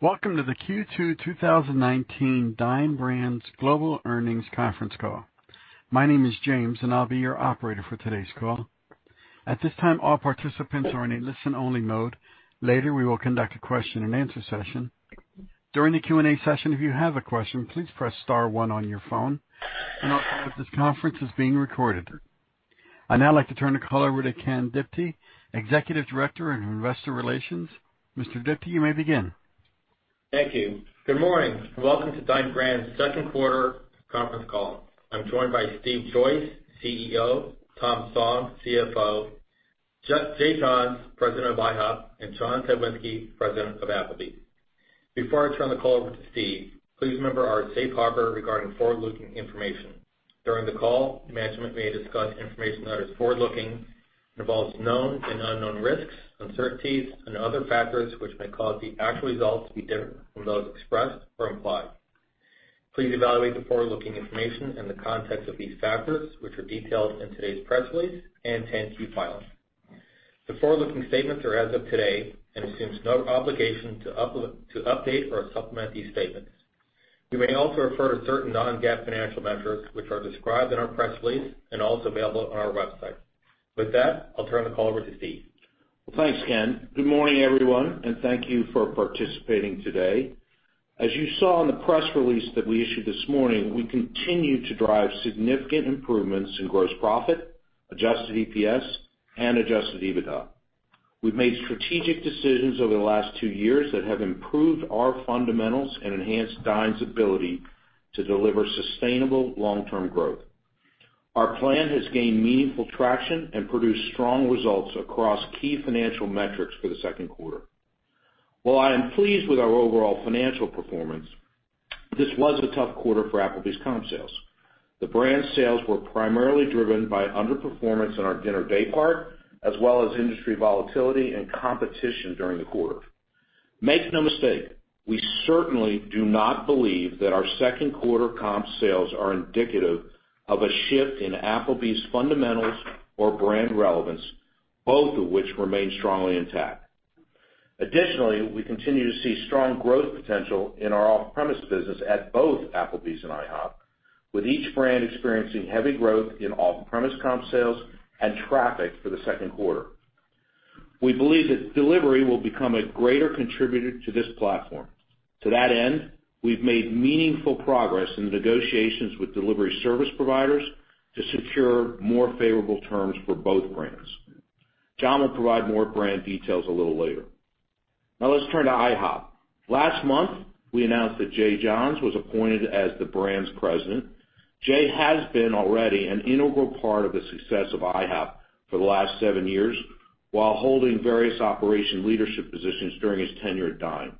Welcome to the Q2 2019 Dine Brands Global earnings conference call. My name is James, I'll be your operator for today's call. At this time, all participants are in a listen-only mode. Later, we will conduct a question and answer session. During the Q&A session, if you have a question, please press star one on your phone. Also, this conference is being recorded. I'd now like to turn the call over to Ken Diptee, Executive Director of Investor Relations. Mr. Diptee, you may begin. Thank you. Good morning. Welcome to Dine Brands' second quarter conference call. I'm joined by Steve Joyce, CEO, Tom Song, CFO, Jay Johns, President of IHOP, and John Cywinski, President of Applebee's. Before I turn the call over to Steve, please remember our safe harbor regarding forward-looking information. During the call, management may discuss information that is forward-looking and involves known and unknown risks, uncertainties and other factors which may cause the actual results to be different from those expressed or implied. Please evaluate the forward-looking information in the context of these factors, which are detailed in today's press release and 10-Q filing. The forward-looking statements are as of today and assumes no obligation to update or supplement these statements. We may also refer to certain non-GAAP financial metrics, which are described in our press release and also available on our website. With that, I'll turn the call over to Steve. Well, thanks, Ken. Good morning, everyone, and thank you for participating today. As you saw in the press release that we issued this morning, we continue to drive significant improvements in gross profit, adjusted EPS, and adjusted EBITDA. We've made strategic decisions over the last two years that have improved our fundamentals and enhanced Dine's ability to deliver sustainable long-term growth. Our plan has gained meaningful traction and produced strong results across key financial metrics for the second quarter. While I am pleased with our overall financial performance, this was a tough quarter for Applebee's comp sales. The brand's sales were primarily driven by underperformance in our dinner day part, as well as industry volatility and competition during the quarter. Make no mistake, we certainly do not believe that our second quarter comp sales are indicative of a shift in Applebee's fundamentals or brand relevance, both of which remain strongly intact. Additionally, we continue to see strong growth potential in our off-premise business at both Applebee's and IHOP, with each brand experiencing heavy growth in off-premise comp sales and traffic for the second quarter. We believe that delivery will become a greater contributor to this platform. To that end, we've made meaningful progress in the negotiations with delivery service providers to secure more favorable terms for both brands. John will provide more brand details a little later. Let's turn to IHOP. Last month, we announced that Jay Johns was appointed as the brand's President. Jay has been already an integral part of the success of IHOP for the last seven years while holding various operation leadership positions during his tenure at Dine.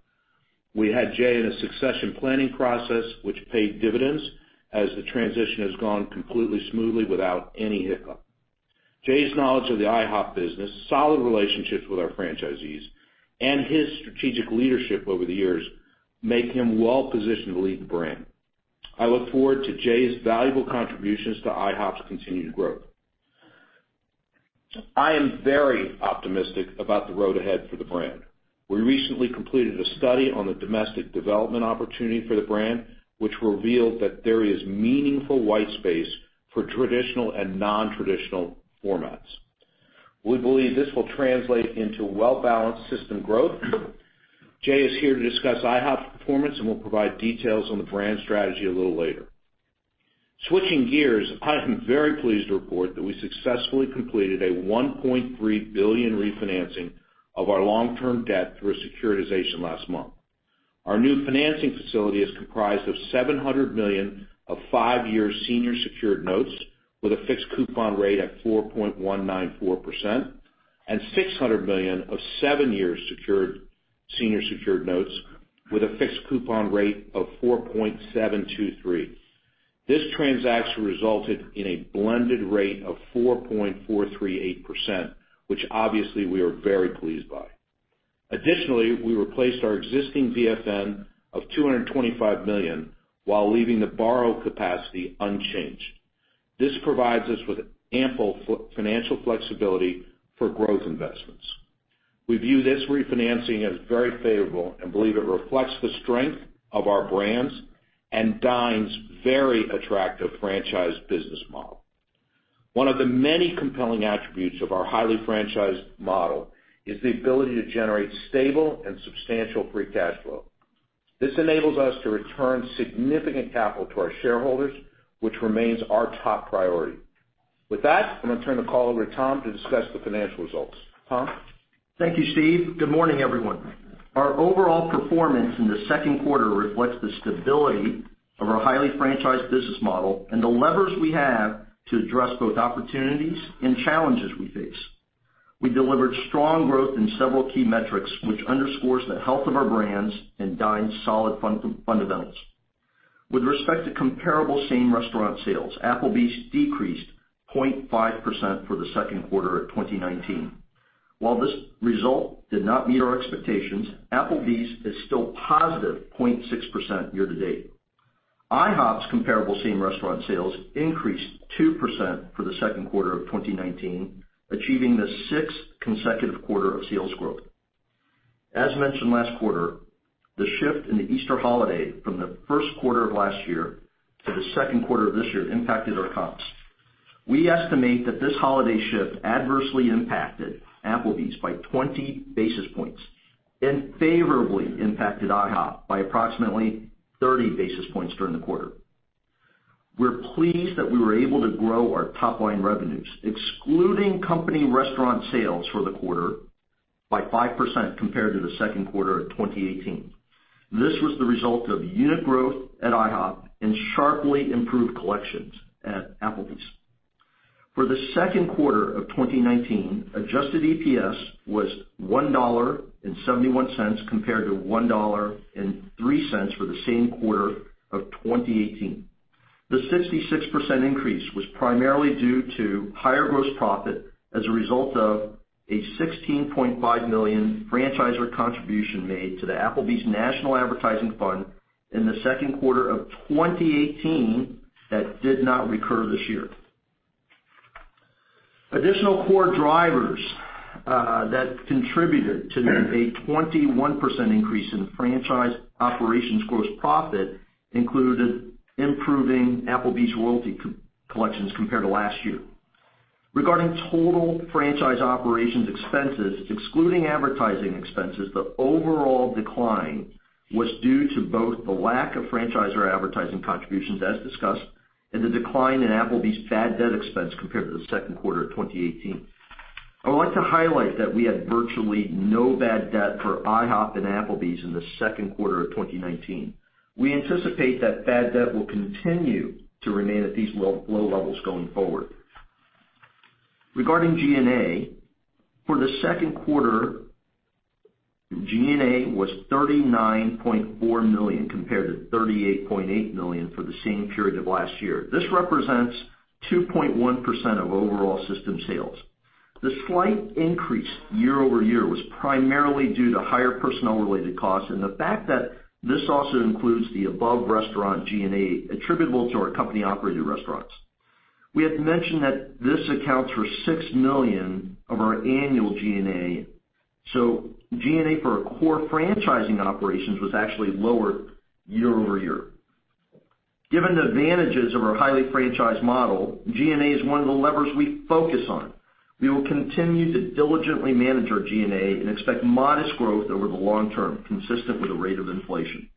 We had Jay in a succession planning process, which paid dividends as the transition has gone completely smoothly without any hiccup. Jay's knowledge of the IHOP business, solid relationships with our franchisees, and his strategic leadership over the years make him well positioned to lead the brand. I look forward to Jay's valuable contributions to IHOP's continued growth. I am very optimistic about the road ahead for the brand. We recently completed a study on the domestic development opportunity for the brand, which revealed that there is meaningful white space for traditional and non-traditional formats. We believe this will translate into well-balanced system growth. Jay is here to discuss IHOP's performance and will provide details on the brand strategy a little later. Switching gears, I am very pleased to report that we successfully completed a $1.3 billion refinancing of our long-term debt through a securitization last month. Our new financing facility is comprised of $700 million of five-year senior secured notes with a fixed coupon rate at 4.194% and $600 million of seven-year senior secured notes with a fixed coupon rate of 4.723%. This transaction resulted in a blended rate of 4.438%, which obviously we are very pleased by. Additionally, we replaced our existing VFN of $225 million while leaving the borrow capacity unchanged. This provides us with ample financial flexibility for growth investments. We view this refinancing as very favorable and believe it reflects the strength of our brands and Dine's very attractive franchise business model. One of the many compelling attributes of our highly franchised model is the ability to generate stable and substantial free cash flow. This enables us to return significant capital to our shareholders, which remains our top priority. With that, I'm going to turn the call over to Tom to discuss the financial results. Tom? Thank you, Steve. Good morning, everyone. Our overall performance in the second quarter reflects the stability of our highly franchised business model and the levers we have to address both opportunities and challenges we face. We delivered strong growth in several key metrics, which underscores the health of our brands and Dine's solid fundamentals. With respect to comparable same-restaurant sales, Applebee's decreased 0.5% for the second quarter of 2019. While this result did not meet our expectations, Applebee's is still positive 0.6% year-to-date. IHOP's comparable same-restaurant sales increased 2% for the second quarter of 2019, achieving the sixth consecutive quarter of sales growth. As mentioned last quarter, the shift in the Easter holiday from the first quarter of last year to the second quarter of this year impacted our comps. We estimate that this holiday shift adversely impacted Applebee's by 20 basis points and favorably impacted IHOP by approximately 30 basis points during the quarter. We're pleased that we were able to grow our top-line revenues, excluding company restaurant sales for the quarter, by 5% compared to the second quarter of 2018. This was the result of unit growth at IHOP and sharply improved collections at Applebee's. For the second quarter of 2019, adjusted EPS was $1.71 compared to $1.03 for the same quarter of 2018. The 66% increase was primarily due to higher gross profit as a result of a $16.5 million franchisor contribution made to the Applebee's National Advertising Fund in the second quarter of 2018 that did not recur this year. Additional core drivers that contributed to a 21% increase in franchise operations gross profit included improving Applebee's royalty collections compared to last year. Regarding total franchise operations expenses, excluding advertising expenses, the overall decline was due to both the lack of franchisor advertising contributions, as discussed, and the decline in Applebee's bad debt expense compared to the second quarter of 2018. I would like to highlight that we had virtually no bad debt for IHOP and Applebee's in the second quarter of 2019. We anticipate that bad debt will continue to remain at these low levels going forward. Regarding G&A, for the second quarter, G&A was $39.4 million compared to $38.8 million for the same period of last year. This represents 2.1% of overall system sales. The slight increase year-over-year was primarily due to higher personnel related costs and the fact that this also includes the above restaurant G&A attributable to our company-operated restaurants. We have mentioned that this accounts for $6 million of our annual G&A. G&A for our core franchising operations was actually lower year-over-year. Given the advantages of our highly franchised model, G&A is one of the levers we focus on. We will continue to diligently manage our G&A and expect modest growth over the long term, consistent with the rate of inflation.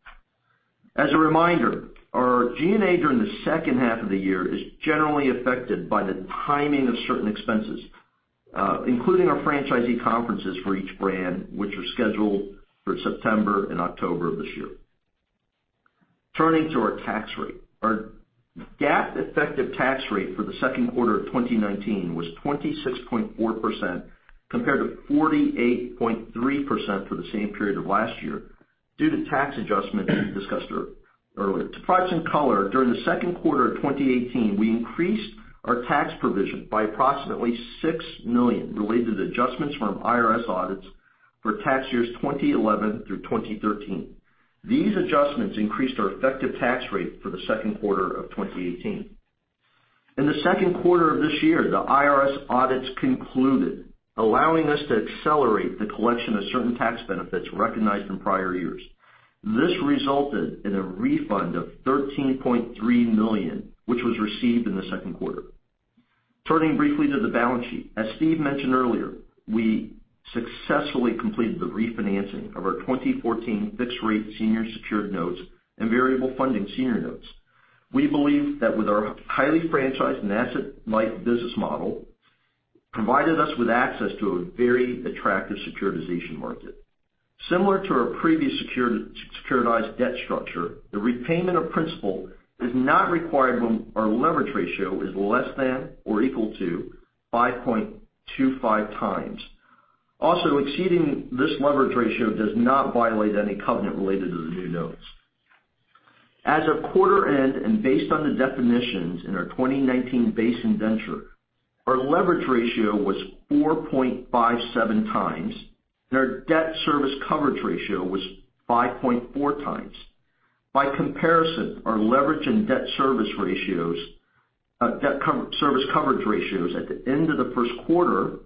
As a reminder, our G&A during the second half of the year is generally affected by the timing of certain expenses, including our franchisee conferences for each brand, which are scheduled for September and October of this year. Turning to our tax rate. Our GAAP effective tax rate for the second quarter of 2019 was 26.4% compared to 48.3% for the same period of last year due to tax adjustments we discussed earlier. To provide some color, during the second quarter of 2018, we increased our tax provision by approximately $6 million related to adjustments from IRS audits for tax years 2011 through 2013. These adjustments increased our effective tax rate for the second quarter of 2018. In the second quarter of this year, the IRS audits concluded, allowing us to accelerate the collection of certain tax benefits recognized in prior years. This resulted in a refund of $13.3 million, which was received in the second quarter. Turning briefly to the balance sheet. As Steve mentioned earlier, we successfully completed the refinancing of our 2014 fixed rate senior secured notes and variable funding senior notes. We believe that with our highly franchised and asset-light business model, provided us with access to a very attractive securitization market. Similar to our previous securitized debt structure, the repayment of principal is not required when our leverage ratio is less than or equal to 5.25x. Exceeding this leverage ratio does not violate any covenant related to the new notes. As of quarter end, and based on the definitions in our 2019 base indenture, our leverage ratio was 4.57x, and our debt service coverage ratio was 5.4x. By comparison, our leverage and debt service coverage ratios at the end of the first quarter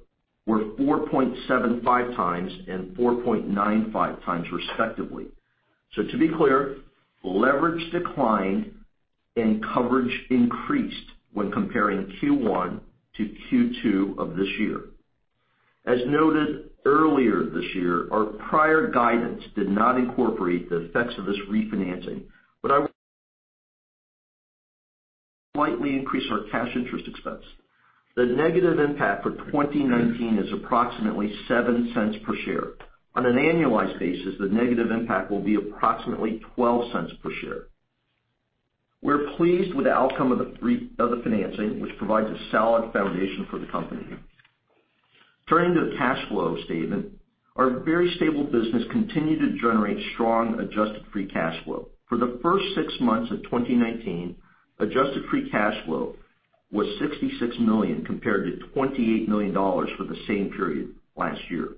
were 4.75x and 4.95x respectively. To be clear, leverage declined and coverage increased when comparing Q1 to Q2 of this year. As noted earlier this year, our prior guidance did not incorporate the effects of this refinancing, but I would slightly increase our cash interest expense. The negative impact for 2019 is approximately $0.07 per share. On an annualized basis, the negative impact will be approximately $0.12 per share. We're pleased with the outcome of the financing, which provides a solid foundation for the company. Turning to the cash flow statement. Our very stable business continued to generate strong adjusted free cash flow. For the first six months of 2019, adjusted free cash flow was $66 million compared to $28 million for the same period last year.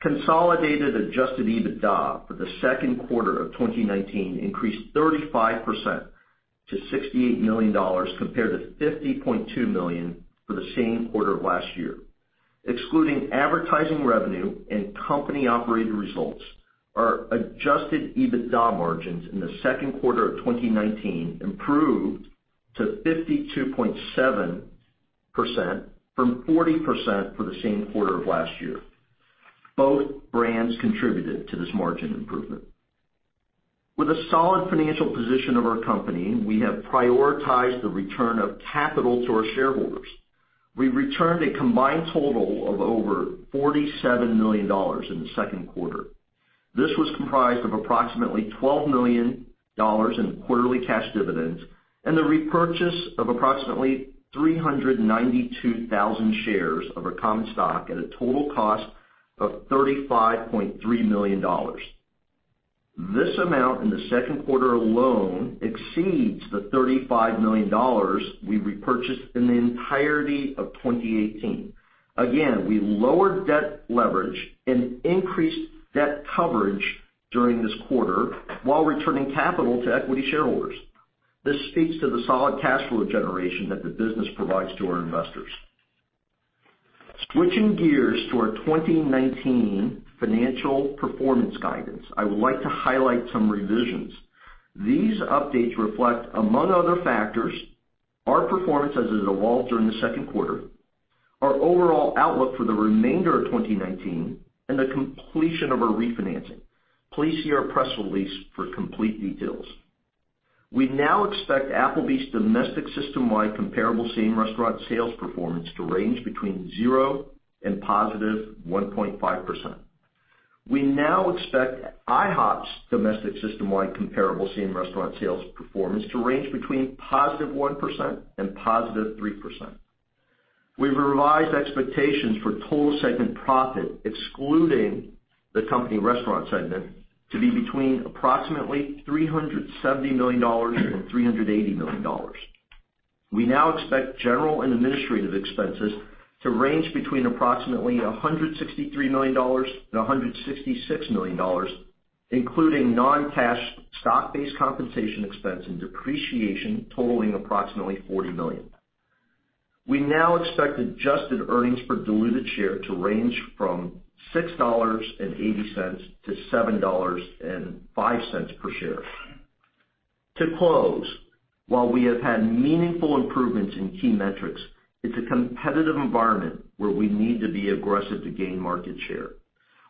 Consolidated adjusted EBITDA for the second quarter of 2019 increased 35% to $68 million, compared to $50.2 million for the same quarter of last year. Excluding advertising revenue and company-operated results, our adjusted EBITDA margins in the second quarter of 2019 improved to 52.7% from 40% for the same quarter of last year. Both brands contributed to this margin improvement. With the solid financial position of our company, we have prioritized the return of capital to our shareholders. We returned a combined total of over $47 million in the second quarter. This was comprised of approximately $12 million in quarterly cash dividends and the repurchase of approximately 392,000 shares of our common stock at a total cost of $35.3 million. This amount in the second quarter alone exceeds the $35 million we repurchased in the entirety of 2018. Again, we lowered debt leverage and increased debt coverage during this quarter while returning capital to equity shareholders. This speaks to the solid cash flow generation that the business provides to our investors. Switching gears to our 2019 financial performance guidance, I would like to highlight some revisions. These updates reflect, among other factors, our performance as it evolved during the second quarter, our overall outlook for the remainder of 2019, and the completion of our refinancing. Please see our press release for complete details. We now expect Applebee's domestic systemwide comparable same restaurant sales performance to range between 0% and positive 1.5%. We now expect IHOP's domestic systemwide comparable same-restaurant sales performance to range between positive 1% and positive 3%. We've revised expectations for total segment profit, excluding the company restaurant segment, to be between approximately $370 million and $380 million. We now expect general and administrative expenses to range between approximately $163 million and $166 million, including non-cash stock-based compensation expense and depreciation totaling approximately $40 million. We now expect adjusted earnings per diluted share to range from $6.80-$7.05 per share. To close, while we have had meaningful improvements in key metrics, it's a competitive environment where we need to be aggressive to gain market share.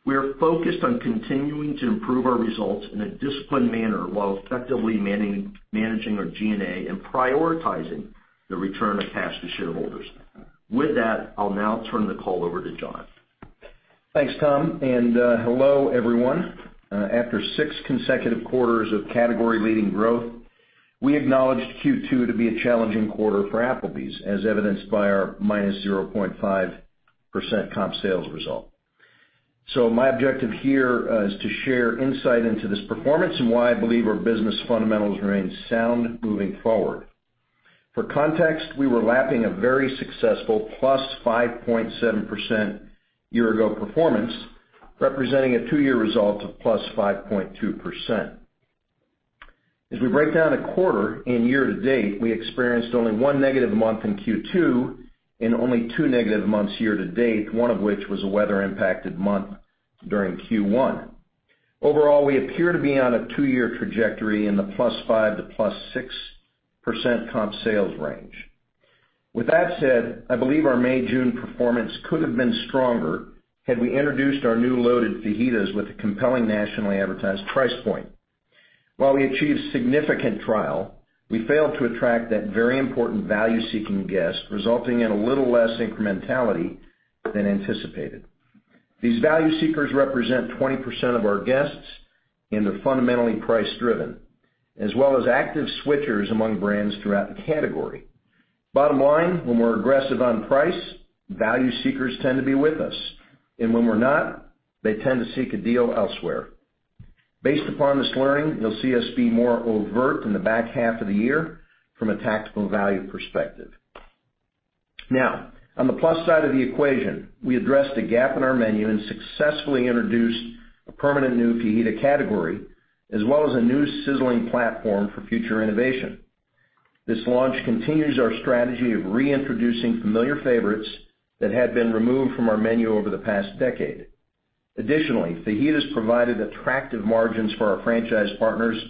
We are focused on continuing to improve our results in a disciplined manner while effectively managing our G&A and prioritizing the return of cash to shareholders. With that, I'll now turn the call over to John. Thanks, Tom, and hello, everyone. After 6 consecutive quarters of category-leading growth, we acknowledged Q2 to be a challenging quarter for Applebee's, as evidenced by our -0.5% comp sales result. My objective here is to share insight into this performance and why I believe our business fundamentals remain sound moving forward. For context, we were lapping a very successful +5.7% year-ago performance, representing a two-year result of +5.2%. As we break down the quarter and year-to-date, we experienced only one negative month in Q2 and only two negative months year-to-date, one of which was a weather-impacted month during Q1. Overall, we appear to be on a two-year trajectory in the +5% to +6% comp sales range. With that said, I believe our May, June performance could have been stronger had we introduced our new Loaded Fajitas with a compelling nationally advertised price point. While we achieved significant trial, we failed to attract that very important value-seeking guest, resulting in a little less incrementality than anticipated. These value seekers represent 20% of our guests and are fundamentally price driven, as well as active switchers among brands throughout the category. Bottom line, when we're aggressive on price, value seekers tend to be with us, and when we're not, they tend to seek a deal elsewhere. Based upon this learning, you'll see us be more overt in the back half of the year from a tactical value perspective. Now, on the plus side of the equation, we addressed a gap in our menu and successfully introduced a permanent new fajita category, as well as a new sizzling platform for future innovation. This launch continues our strategy of reintroducing familiar favorites that had been removed from our menu over the past decade. Additionally, fajitas provided attractive margins for our franchise partners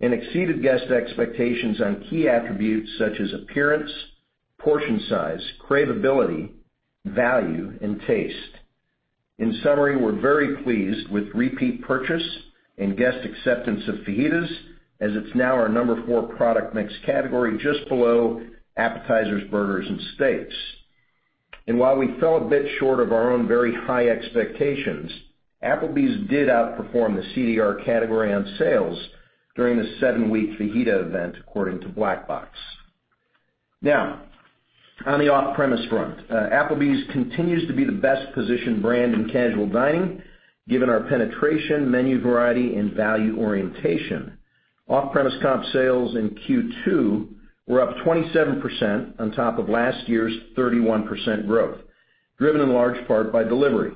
and exceeded guest expectations on key attributes such as appearance, portion size, cravability, value, and taste. In summary, we're very pleased with repeat purchase and guest acceptance of fajitas, as it's now our number four product mix category, just below appetizers, burgers, and steaks. While we fell a bit short of our own very high expectations, Applebee's did outperform the CDR category on sales during the seven-week fajita event, according to Black Box. Now, on the off-premise front, Applebee's continues to be the best-positioned brand in casual dining, given our penetration, menu variety, and value orientation. Off-premise comp sales in Q2 were up 27% on top of last year's 31% growth, driven in large part by delivery.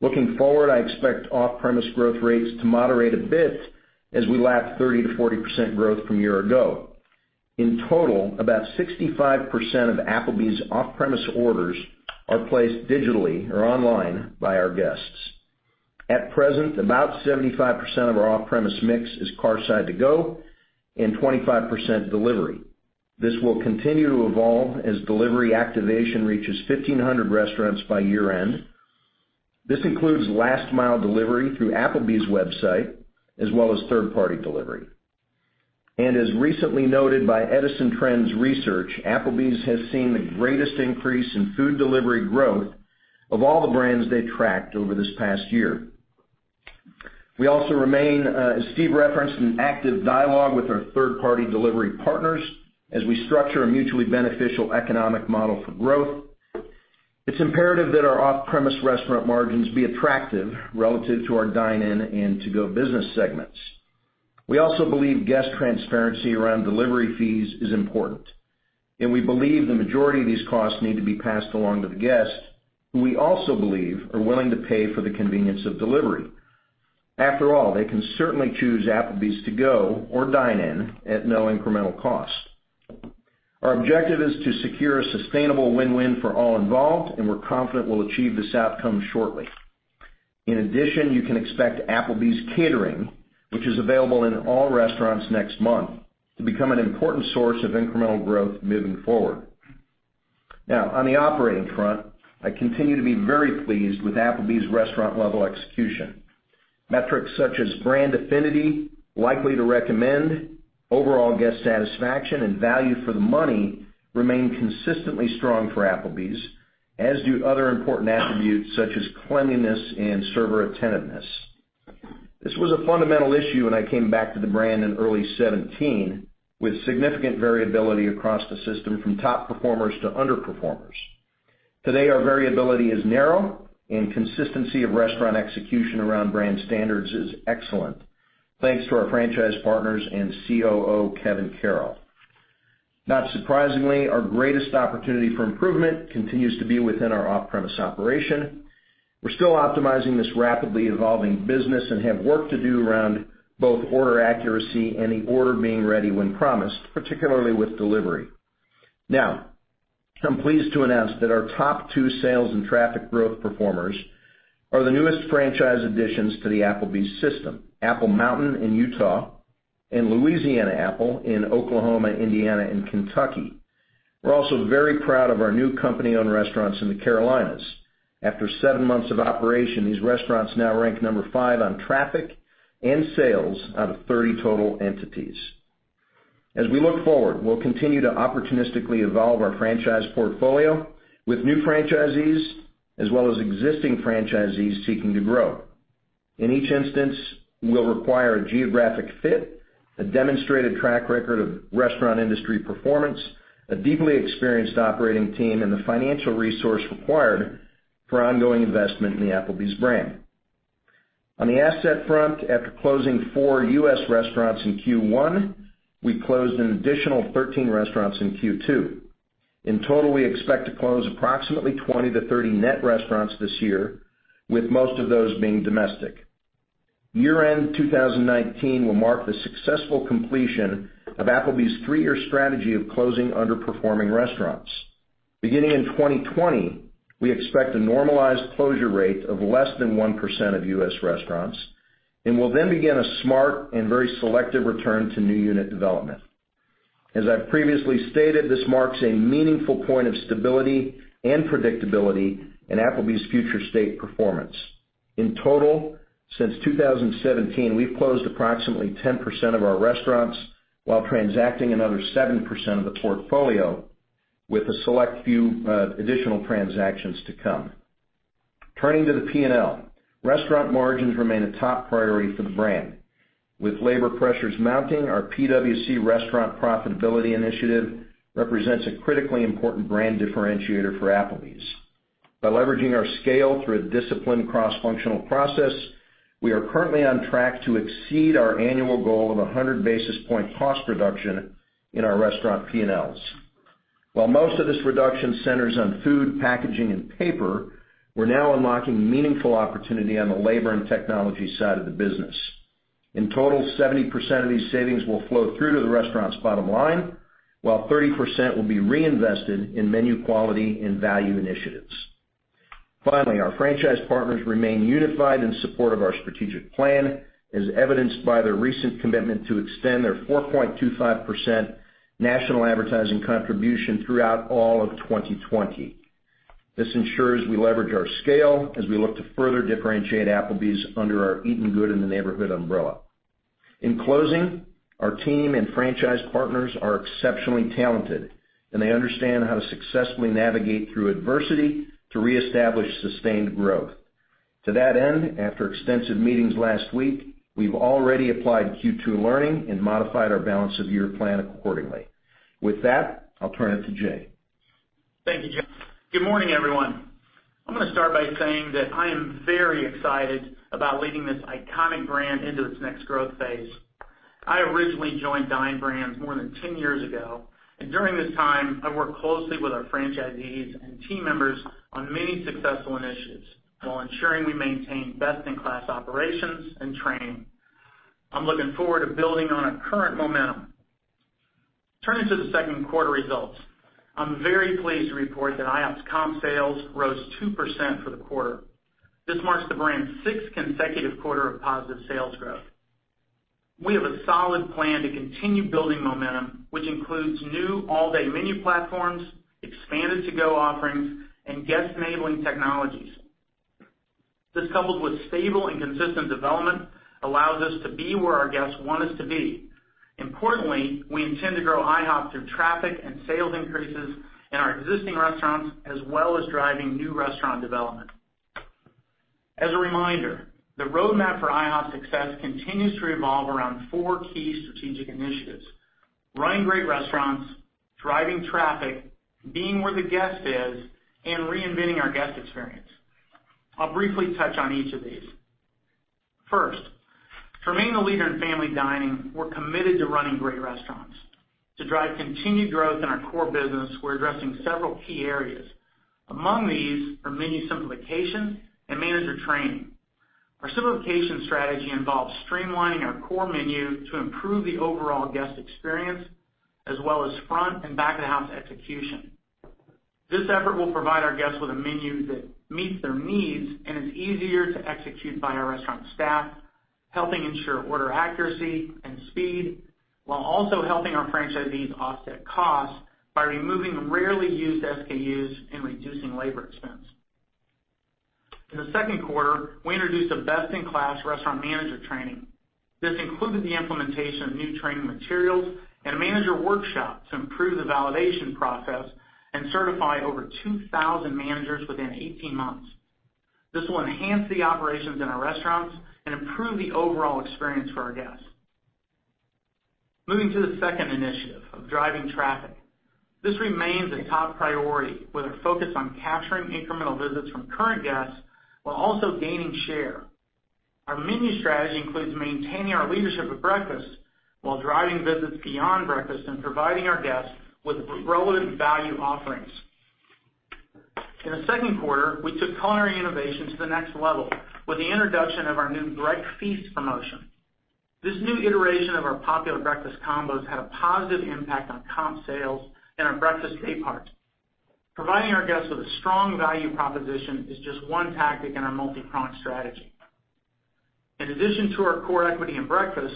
Looking forward, I expect off-premise growth rates to moderate a bit as we lap 30%-40% growth from a year ago. In total, about 65% of Applebee's off-premise orders are placed digitally or online by our guests. At present, about 75% of our off-premise mix is curbside to-go and 25% delivery. This will continue to evolve as delivery activation reaches 1,500 restaurants by year-end. This includes last-mile delivery through Applebee's website, as well as third-party delivery. As recently noted by Edison Trends Research, Applebee's has seen the greatest increase in food delivery growth of all the brands they tracked over this past year. We also remain, as Steve referenced, in active dialogue with our third-party delivery partners as we structure a mutually beneficial economic model for growth. It's imperative that our off-premise restaurant margins be attractive relative to our dine-in and to-go business segments. We also believe guest transparency around delivery fees is important, and we believe the majority of these costs need to be passed along to the guest, who we also believe are willing to pay for the convenience of delivery. After all, they can certainly choose Applebee's to go or dine in at no incremental cost. Our objective is to secure a sustainable win-win for all involved, and we're confident we'll achieve this outcome shortly. In addition, you can expect Applebee's catering, which is available in all restaurants next month, to become an important source of incremental growth moving forward. Now, on the operating front, I continue to be very pleased with Applebee's restaurant-level execution. Metrics such as brand affinity, likely to recommend, overall guest satisfaction, and value for the money remain consistently strong for Applebee's, as do other important attributes such as cleanliness and server attentiveness. This was a fundamental issue when I came back to the brand in early 2017, with significant variability across the system, from top performers to underperformers. Today, our variability is narrow, and consistency of restaurant execution around brand standards is excellent, thanks to our franchise partners and COO, Kevin Carroll. Not surprisingly, our greatest opportunity for improvement continues to be within our off-premise operation. We're still optimizing this rapidly evolving business and have work to do around both order accuracy and the order being ready when promised, particularly with delivery. I'm pleased to announce that our top two sales and traffic growth performers are the newest franchise additions to the Applebee's system, Apple Mountain in Utah and Louisiana Apple in Oklahoma, Indiana, and Kentucky. We're also very proud of our new company-owned restaurants in the Carolinas. After seven months of operation, these restaurants now rank number five on traffic and sales out of 30 total entities. As we look forward, we'll continue to opportunistically evolve our franchise portfolio with new franchisees, as well as existing franchisees seeking to grow. In each instance, we'll require a geographic fit, a demonstrated track record of restaurant industry performance, a deeply experienced operating team, and the financial resource required for ongoing investment in the Applebee's brand. On the asset front, after closing four U.S. restaurants in Q1, we closed an additional 13 restaurants in Q2. In total, we expect to close approximately 20-30 net restaurants this year, with most of those being domestic. Year-end 2019 will mark the successful completion of Applebee's three-year strategy of closing underperforming restaurants. Beginning in 2020, we expect a normalized closure rate of less than 1% of U.S. restaurants, and we'll then begin a smart and very selective return to new unit development. As I've previously stated, this marks a meaningful point of stability and predictability in Applebee's future state performance. In total, since 2017, we've closed approximately 10% of our restaurants while transacting another 7% of the portfolio, with a select few additional transactions to come. Turning to the P&L, restaurant margins remain a top priority for the brand. With labor pressures mounting, our P&L Restaurant Profitability Initiative represents a critically important brand differentiator for Applebee's. By leveraging our scale through a disciplined cross-functional process, we are currently on track to exceed our annual goal of a 100-basis point cost reduction in our restaurant P&Ls. While most of this reduction centers on food, packaging, and paper, we're now unlocking meaningful opportunity on the labor and technology side of the business. In total, 70% of these savings will flow through to the restaurant's bottom line, while 30% will be reinvested in menu quality and value initiatives. Finally, our franchise partners remain unified in support of our strategic plan, as evidenced by their recent commitment to extend their 4.25% national advertising contribution throughout all of 2020. This ensures we leverage our scale as we look to further differentiate Applebee's under our Eatin' Good in the Neighborhood umbrella. In closing, our team and franchise partners are exceptionally talented, and they understand how to successfully navigate through adversity to reestablish sustained growth. To that end, after extensive meetings last week, we've already applied Q2 learning and modified our balance of year plan accordingly. With that, I'll turn it to Jay. Thank you, John. Good morning, everyone. I'm going to start by saying that I am very excited about leading this iconic brand into its next growth phase. I originally joined Dine Brands more than 10 years ago, and during this time, I've worked closely with our franchisees and team members on many successful initiatives while ensuring we maintain best-in-class operations and training. I'm looking forward to building on our current momentum. Turning to the second quarter results, I'm very pleased to report that IHOP's comp sales rose 2% for the quarter. This marks the brand's sixth consecutive quarter of positive sales growth. We have a solid plan to continue building momentum, which includes new all-day menu platforms, expanded to-go offerings, and guest-enabling technologies. This, coupled with stable and consistent development, allows us to be where our guests want us to be. Importantly, we intend to grow IHOP through traffic and sales increases in our existing restaurants, as well as driving new restaurant development. As a reminder, the roadmap for IHOP success continues to revolve around four key strategic initiatives: running great restaurants, driving traffic, being where the guest is, and reinventing our guest experience. I'll briefly touch on each of these. First, to remain the leader in family dining, we're committed to running great restaurants. To drive continued growth in our core business, we're addressing several key areas. Among these are menu simplification and manager training. Our simplification strategy involves streamlining our core menu to improve the overall guest experience, as well as front and back-of-the-house execution. This effort will provide our guests with a menu that meets their needs and is easier to execute by our restaurant staff, helping ensure order accuracy and speed, while also helping our franchisees offset costs by removing rarely used SKUs and reducing labor expense. In the second quarter, we introduced a best-in-class restaurant manager training. This included the implementation of new training materials and a manager workshop to improve the validation process and certify over 2,000 managers within 18 months. This will enhance the operations in our restaurants and improve the overall experience for our guests. Moving to the second initiative of driving traffic. This remains a top priority, with a focus on capturing incremental visits from current guests while also gaining share. Our menu strategy includes maintaining our leadership at breakfast while driving visits beyond breakfast and providing our guests with relevant value offerings. In the second quarter, we took culinary innovation to the next level with the introduction of our new Breakfast promotion. This new iteration of our popular breakfast combos had a positive impact on comp sales and our breakfast day part. Providing our guests with a strong value proposition is just one tactic in our multi-pronged strategy. In addition to our core equity in breakfast,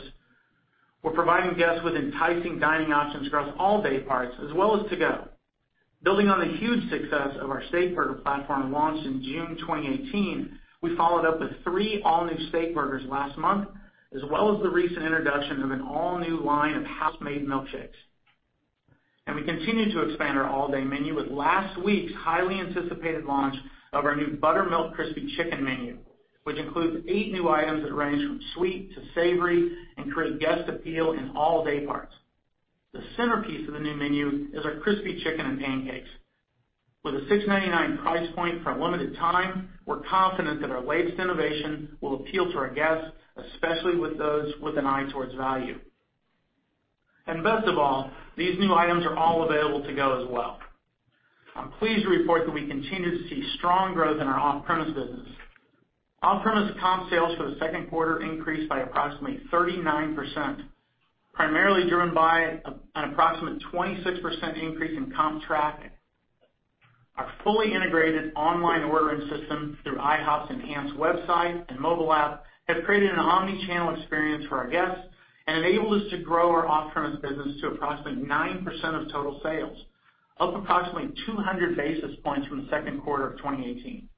we're providing guests with enticing dining options across all day parts, as well as to go. Building on the huge success of our steakburger platform launch in June 2018, we followed up with three all-new steakburgers last month, as well as the recent introduction of an all-new line of house-made milkshakes. We continue to expand our all-day menu with last week's highly anticipated launch of our new Buttermilk Crispy Chicken menu, which includes eight new items that range from sweet to savory and create guest appeal in all day parts. The centerpiece of the new menu is our Crispy Chicken and Pancakes. With a $6.99 price point for a limited time, we're confident that our latest innovation will appeal to our guests, especially with those with an eye towards value. Best of all, these new items are all available to go as well. I'm pleased to report that we continue to see strong growth in our off-premise business. Off-premise comp sales for the second quarter increased by approximately 39%, primarily driven by an approximate 26% increase in comp traffic. Our fully integrated online ordering system through IHOP's enhanced website and mobile app have created an omni-channel experience for our guests and enabled us to grow our off-premise business to approximately 9% of total sales, up approximately 200 basis points from the second quarter of 2018.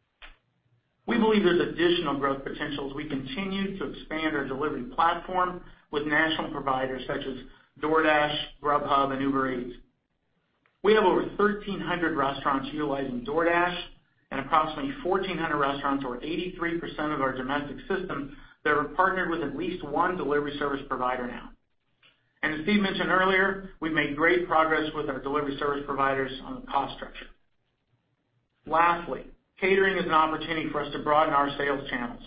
We believe there's additional growth potential as we continue to expand our delivery platform with national providers such as DoorDash, Grubhub, and Uber Eats. We have over 1,300 restaurants utilizing DoorDash and approximately 1,400 restaurants, or 83% of our domestic system, that are partnered with at least one delivery service provider now. As Steve mentioned earlier, we've made great progress with our delivery service providers on the cost structure. Lastly, catering is an opportunity for us to broaden our sales channels.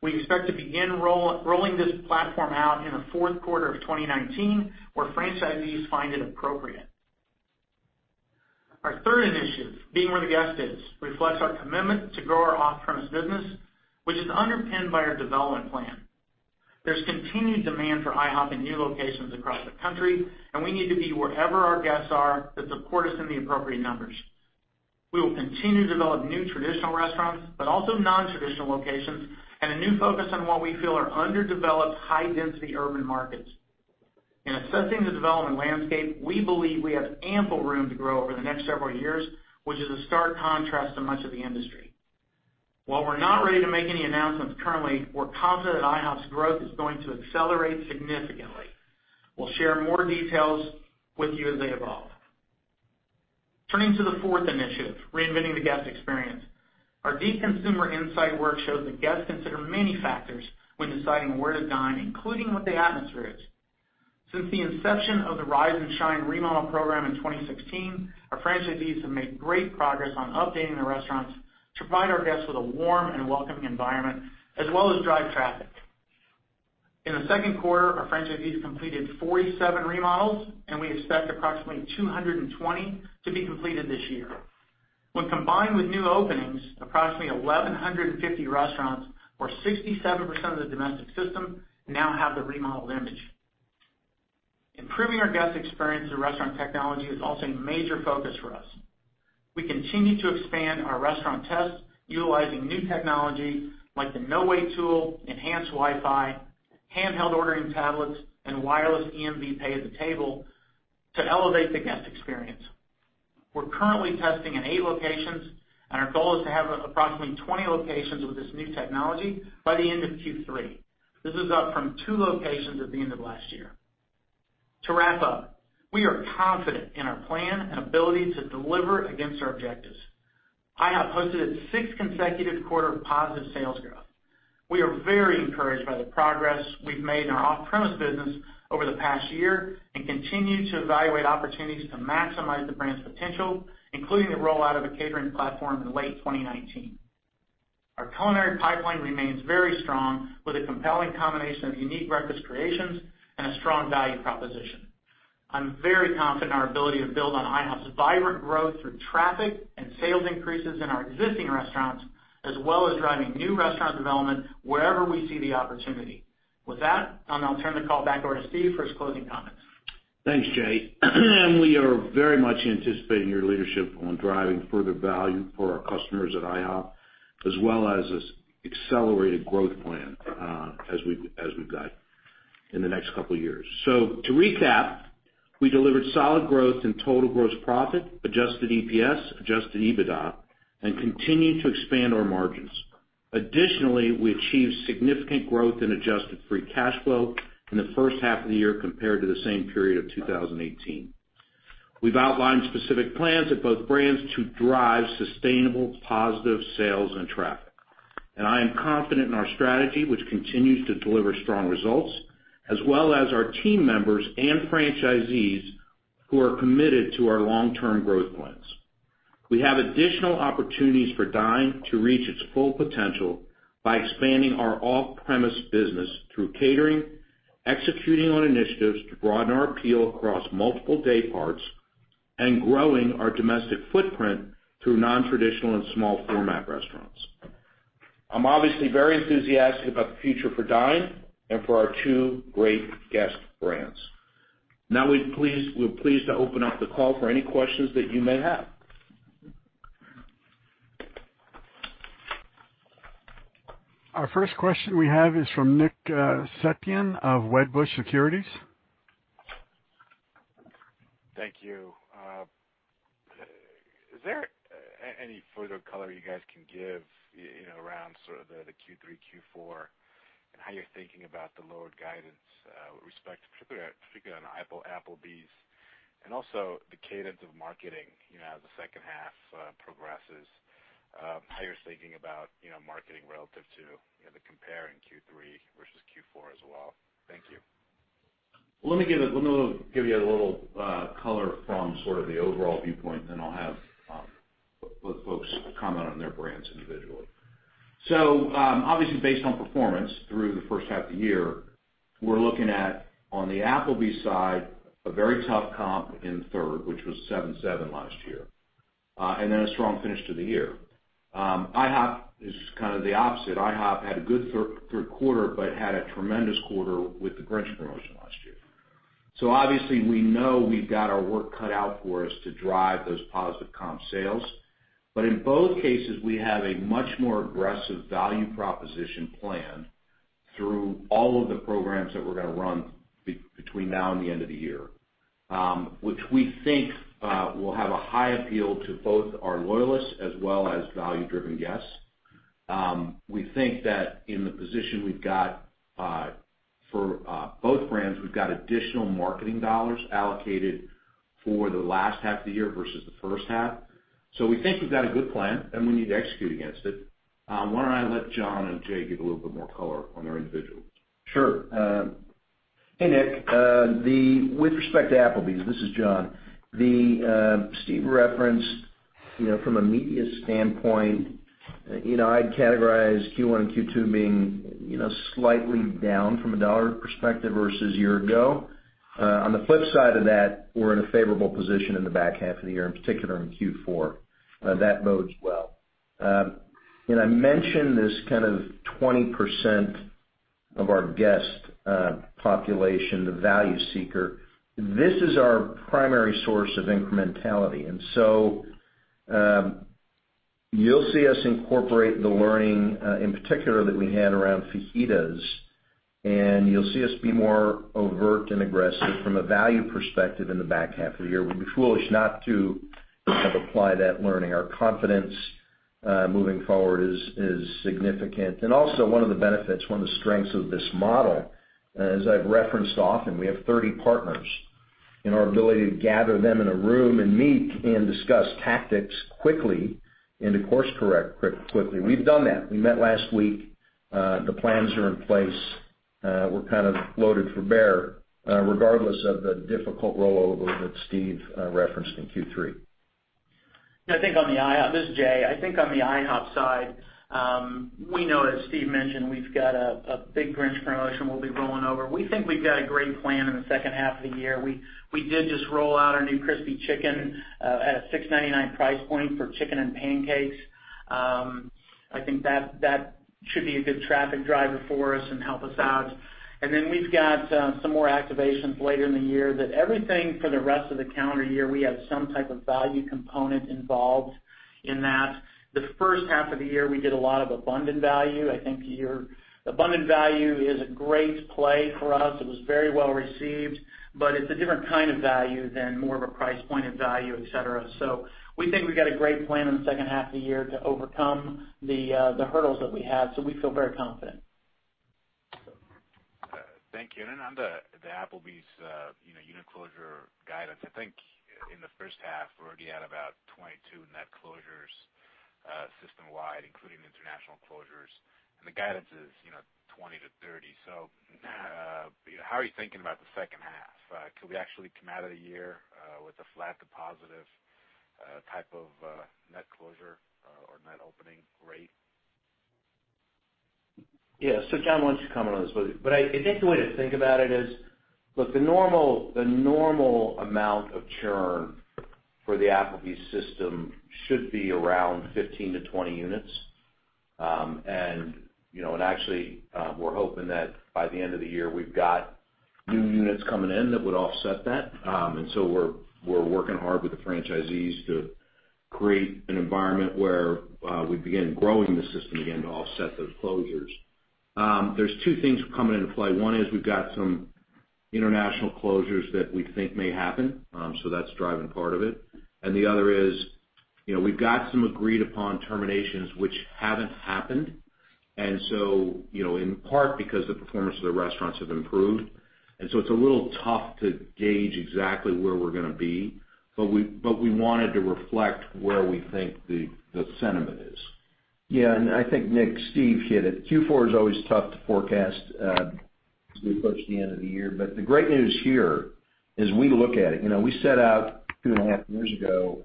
We expect to begin rolling this platform out in the fourth quarter of 2019, where franchisees find it appropriate. Our third initiative, being where the guest is, reflects our commitment to grow our off-premise business, which is underpinned by our development plan. There's continued demand for IHOP in new locations across the country, and we need to be wherever our guests are that support us in the appropriate numbers. We will continue to develop new traditional restaurants, but also non-traditional locations and a new focus on what we feel are underdeveloped, high-density urban markets. In assessing the development landscape, we believe we have ample room to grow over the next several years, which is a stark contrast to much of the industry. While we're not ready to make any announcements currently, we're confident IHOP's growth is going to accelerate significantly. We'll share more details with you as they evolve. Turning to the fourth initiative, reinventing the guest experience. Our deep consumer insight work shows that guests consider many factors when deciding where to dine, including what the atmosphere is. Since the inception of the Rise 'N Shine remodel program in 2016, our franchisees have made great progress on updating the restaurants to provide our guests with a warm and welcoming environment, as well as drive traffic. In the second quarter, our franchisees completed 47 remodels, and we expect approximately 220 to be completed this year. When combined with new openings, approximately 1,150 restaurants, or 67% of the domestic system, now have the remodeled image. Improving our guest experience through restaurant technology is also a major focus for us. We continue to expand our restaurant tests utilizing new technology like the NoWait tool, enhanced Wi-Fi, handheld ordering tablets, and wireless EMV pay at the table to elevate the guest experience. We're currently testing in eight locations. Our goal is to have approximately 20 locations with this new technology by the end of Q3. This is up from two locations at the end of last year. To wrap up, we are confident in our plan and ability to deliver against our objectives. IHOP posted its sixth consecutive quarter of positive sales growth. We are very encouraged by the progress we've made in our off-premise business over the past year and continue to evaluate opportunities to maximize the brand's potential, including the rollout of a catering platform in late 2019. Our culinary pipeline remains very strong with a compelling combination of unique breakfast creations and a strong value proposition. I'm very confident in our ability to build on IHOP's vibrant growth through traffic and sales increases in our existing restaurants, as well as driving new restaurant development wherever we see the opportunity. With that, I'll now turn the call back over to Steve for his closing comments. Thanks, Jay. We are very much anticipating your leadership on driving further value for our customers at IHOP, as well as this accelerated growth plan as we guide in the next couple of years. To recap, we delivered solid growth in total gross profit, adjusted EPS, adjusted EBITDA, and continue to expand our margins. Additionally, we achieved significant growth in adjusted free cash flow in the first half of the year compared to the same period of 2018. We've outlined specific plans at both brands to drive sustainable positive sales and traffic. I am confident in our strategy, which continues to deliver strong results, as well as our team members and franchisees who are committed to our long-term growth plans. We have additional opportunities for Dine to reach its full potential by expanding our off-premise business through catering, executing on initiatives to broaden our appeal across multiple day parts, and growing our domestic footprint through non-traditional and small format restaurants. I'm obviously very enthusiastic about the future for Dine and for our two great guest brands. Now, we're pleased to open up the call for any questions that you may have. Our first question we have is from Nick Setyan of Wedbush Securities. Thank you. Is there any further color you guys can give around the Q3, Q4, and how you're thinking about the lowered guidance with respect to, particularly on Applebee's? Also the cadence of marketing as the second half progresses, how you're thinking about marketing relative to the compare in Q3 versus Q4 as well. Thank you. Let me give you a little color from the overall viewpoint, then I'll have the folks comment on their brands individually. Obviously, based on performance through the first half of the year, we're looking at, on the Applebee's side, a very tough comp in third, which was 7.7 last year, and then a strong finish to the year. IHOP is kind of the opposite. IHOP had a good third quarter, but had a tremendous quarter with the Grinch promotion last year. Obviously, we know we've got our work cut out for us to drive those positive comp sales. In both cases, we have a much more aggressive value proposition plan through all of the programs that we're going to run between now and the end of the year, which we think will have a high appeal to both our loyalists as well as value-driven guests. We think that in the position we've got for both brands, we've got additional marketing dollars allocated for the last half of the year versus the first half. We think we've got a good plan, and we need to execute against it. Why don't I let John and Jay give a little bit more color on their individuals? Sure. Hey, Nick. With respect to Applebee's, this is John. Steve referenced from a media standpoint, I'd categorize Q1 and Q2 being slightly down from a dollar perspective versus a year ago. On the flip side of that, we're in a favorable position in the back half of the year, in particular in Q4. That bodes well. I mentioned this 20% of our guest population, the value seeker. This is our primary source of incrementality, you'll see us incorporate the learning, in particular, that we had around fajitas, and you'll see us be more overt and aggressive from a value perspective in the back half of the year. We'd be foolish not to apply that learning. Our confidence moving forward is significant. Also one of the benefits, one of the strengths of this model, as I've referenced often, we have 30 partners. In our ability to gather them in a room and meet and discuss tactics quickly and to course-correct quickly. We've done that. We met last week. The plans are in place. We're loaded for bear, regardless of the difficult rollover that Steve referenced in Q3. This is Jay. I think on the IHOP side, you know, as Steve mentioned, we've got a big Grinch promotion we'll be rolling over. We think we've got a great plan in the second half of the year. We did just roll out our new Crispy Chicken at a $6.99 price point for chicken and pancakes. I think that should be a good traffic driver for us and help us out. We've got some more activations later in the year that everything for the rest of the calendar year, we have some type of value component involved in that. The first half of the year, we did a lot of abundant value. I think your abundant value is a great play for us. It was very well-received, but it's a different kind of value than more of a price point of value, et cetera. We think we've got a great plan in the second half of the year to overcome the hurdles that we have. We feel very confident. Thank you. On the Applebee's unit closure guidance, I think in the first half, we're already at about 22 net closures system-wide, including international closures. The guidance is 20-30. How are you thinking about the second half? Could we actually come out of the year with a flat to positive type of net closure or net opening rate? Yeah. John, why don't you comment on this? I think the way to think about it is, look, the normal amount of churn for the Applebee's system should be around 15-20 units. Actually, we're hoping that by the end of the year, we've got new units coming in that would offset that. We're working hard with the franchisees to create an environment where we begin growing the system again to offset those closures. There's two things coming into play. One is we've got some international closures that we think may happen, that's driving part of it. The other is we've got some agreed upon terminations which haven't happened. In part because the performance of the restaurants have improved, and so it's a little tough to gauge exactly where we're going to be. We wanted to reflect where we think the sentiment is. I think, Nick, Steve hit it. Q4 is always tough to forecast as we approach the end of the year. The great news here is we look at it. We set out two and a half years ago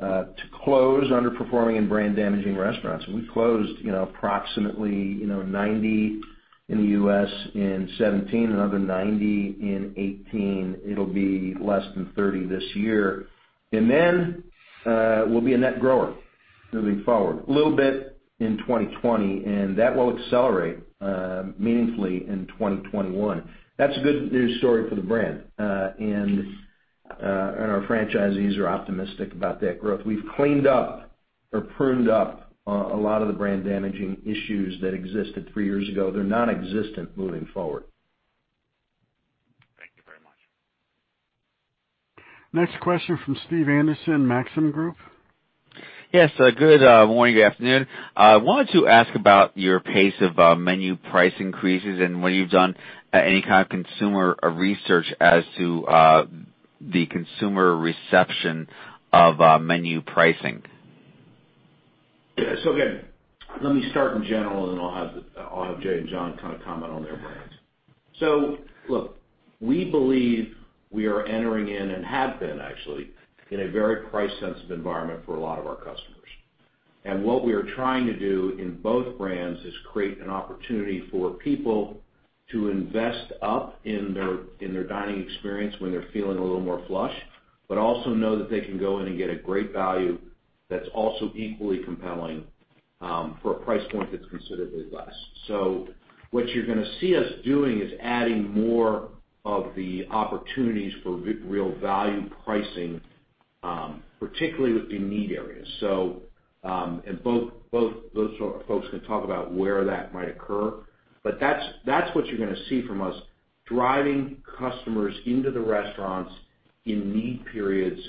to close underperforming and brand-damaging restaurants. We closed approximately 90 in the U.S. in 2017, another 90 in 2018. It'll be less than 30 this year. Then we'll be a net grower moving forward, a little bit in 2020, and that will accelerate meaningfully in 2021. That's a good news story for the brand. Our franchisees are optimistic about that growth. We've cleaned up or pruned up a lot of the brand-damaging issues that existed three years ago. They're nonexistent moving forward. Thank you very much. Next question from Steve Anderson, Maxim Group. Yes. Good morning, good afternoon. I wanted to ask about your pace of menu price increases and whether you've done any kind of consumer research as to the consumer reception of menu pricing. Again, let me start in general, and then I'll have Jay and John comment on their brands. Look, we believe we are entering in and have been actually, in a very price-sensitive environment for a lot of our customers. What we are trying to do in both brands is create an opportunity for people to invest up in their dining experience when they're feeling a little more flush, but also know that they can go in and get a great value that's also equally compelling for a price point that's considerably less. What you're going to see us doing is adding more of the opportunities for real value pricing, particularly with the need areas. Both those folks can talk about where that might occur. That's what you're going to see from us, driving customers into the restaurants in need periods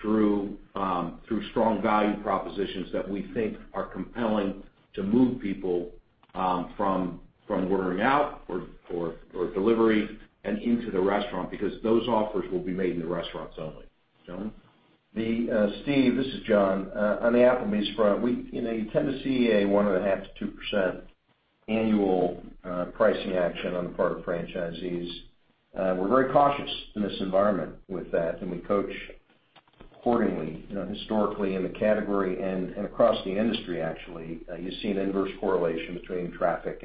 through strong value propositions that we think are compelling to move people from ordering out or delivery and into the restaurant because those offers will be made in the restaurants only. John? Steve, this is John. On the Applebee's front, you tend to see a 1.5%-2% annual pricing action on the part of franchisees. We're very cautious in this environment with that, and we coach accordingly. Historically, in the category and across the industry actually, you see an inverse correlation between traffic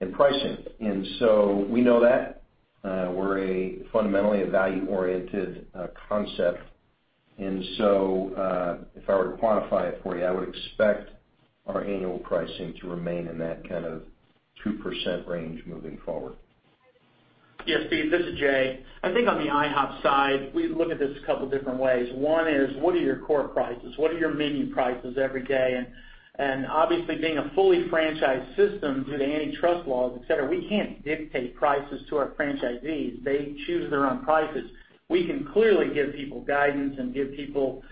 and pricing. We know that. We're fundamentally a value-oriented concept. If I were to quantify it for you, I would expect our annual pricing to remain in that 2% range moving forward. Yeah, Steve, this is Jay. I think on the IHOP side, we look at this a couple different ways. One is, what are your core prices? What are your menu prices every day? Obviously being a fully franchised system due to antitrust laws, et cetera, we can't dictate prices to our franchisees. They choose their own prices. We can clearly give people guidance and give people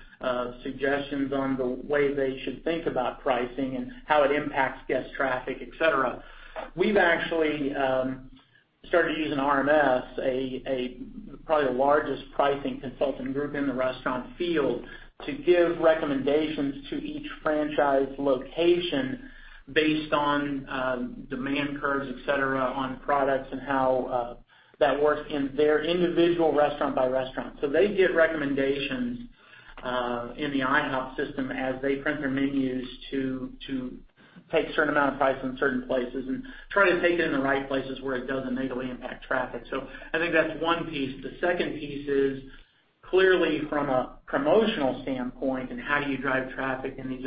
suggestions on the way they should think about pricing and how it impacts guest traffic, et cetera. Started using RMS, probably the largest pricing consulting group in the restaurant field, to give recommendations to each franchise location based on demand curves, et cetera, on products and how that works in their individual restaurant by restaurant. They get recommendations in the IHOP system as they print their menus to take a certain amount of price in certain places and try to take it in the right places where it doesn't negatively impact traffic. I think that's one piece. The second piece is clearly from a promotional standpoint and how you drive traffic in these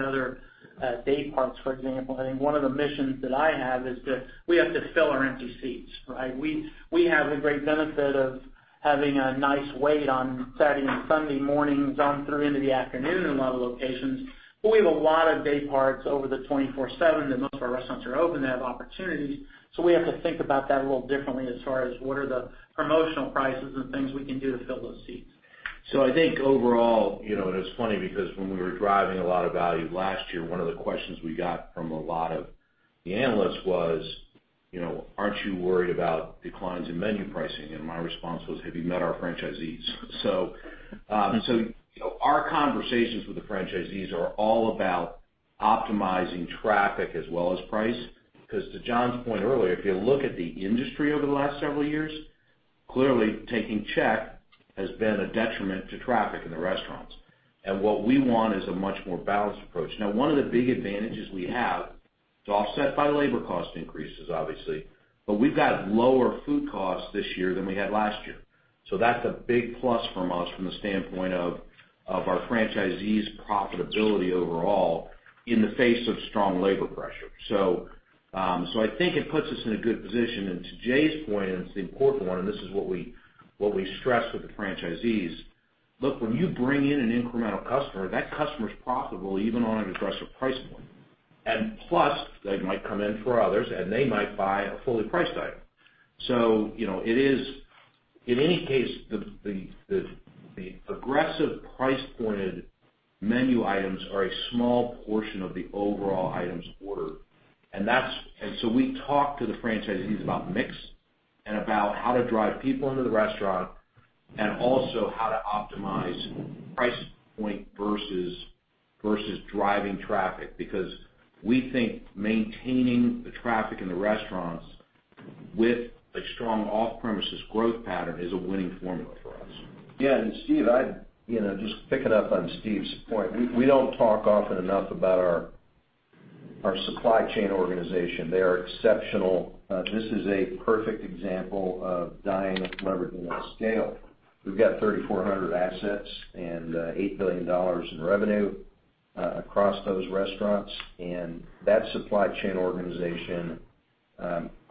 other day parts, for example. I think one of the missions that I have is that we have to fill our empty seats, right? We have the great benefit of having a nice wait on Saturday and Sunday mornings on through into the afternoon in a lot of locations. We have a lot of day parts over the 24/7 that most of our restaurants are open, they have opportunities. We have to think about that a little differently as far as what are the promotional prices and things we can do to fill those seats. I think overall, and it's funny because when we were driving a lot of value last year, one of the questions we got from a lot of the analysts was, "Aren't you worried about declines in menu pricing?" My response was, "Have you met our franchisees?" Our conversations with the franchisees are all about optimizing traffic as well as price. Because to John's point earlier, if you look at the industry over the last several years, clearly taking check has been a detriment to traffic in the restaurants. What we want is a much more balanced approach. One of the big advantages we have, it's offset by labor cost increases, obviously, but we've got lower food costs this year than we had last year. That's a big plus from us from the standpoint of our franchisees' profitability overall in the face of strong labor pressure. I think it puts us in a good position. To Jay's point, and it's an important one, and this is what we stress with the franchisees. Look, when you bring in an incremental customer, that customer's profitable even on an aggressive price point. Plus, they might come in for others, and they might buy a fully priced item. In any case, the aggressive price pointed menu items are a small portion of the overall items ordered. We talk to the franchisees about mix and about how to drive people into the restaurant and also how to optimize price point versus driving traffic, because we think maintaining the traffic in the restaurants with a strong off-premises growth pattern is a winning formula for us. Yeah, Steve, just picking up on Steve's point. We don't talk often enough about our supply chain organization. They are exceptional. This is a perfect example of Dine leveraged on a scale. We've got 3,400 assets and $8 billion in revenue across those restaurants, and that supply chain organization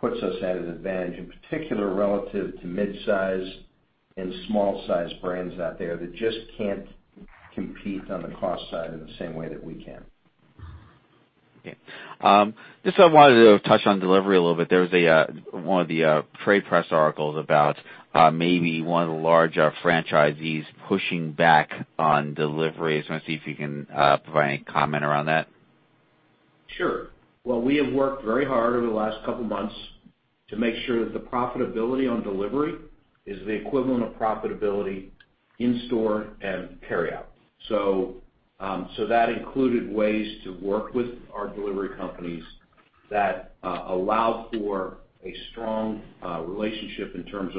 puts us at an advantage, in particular, relative to mid-size and small-size brands out there that just can't compete on the cost side in the same way that we can. Okay. Just I wanted to touch on delivery a little bit. There was one of the trade press articles about maybe one of the larger franchisees pushing back on delivery. I just want to see if you can provide any comment around that. Sure. We have worked very hard over the last couple of months to make sure that the profitability on delivery is the equivalent of profitability in store and carry out. That included ways to work with our delivery companies that allow for a strong relationship in terms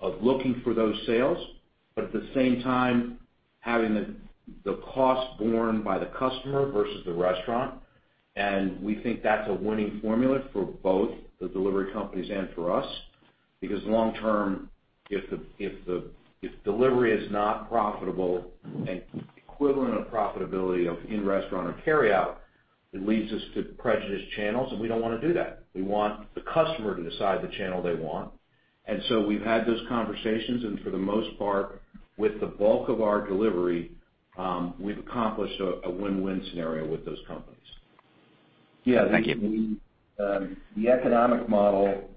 of looking for those sales, but at the same time, having the cost borne by the customer versus the restaurant. We think that's a winning formula for both the delivery companies and for us, because long term, if delivery is not profitable and equivalent of profitability of in-restaurant or carry out, it leads us to prejudiced channels, and we don't want to do that. We want the customer to decide the channel they want. We've had those conversations, and for the most part, with the bulk of our delivery, we've accomplished a win-win scenario with those companies. Yeah. Thank you. The economic model,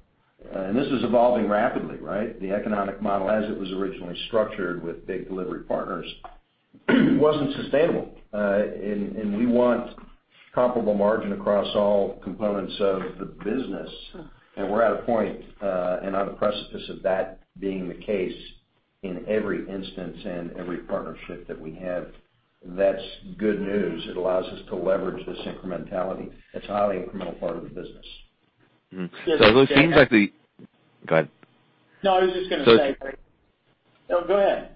this is evolving rapidly, right? The economic model as it was originally structured with big delivery partners wasn't sustainable. We want comparable margin across all components of the business. We're at a point, and on the precipice of that being the case in every instance and every partnership that we have. That's good news. It allows us to leverage this incrementality. It's a highly incremental part of the business. Go ahead. No, I was just going to say. No, go ahead.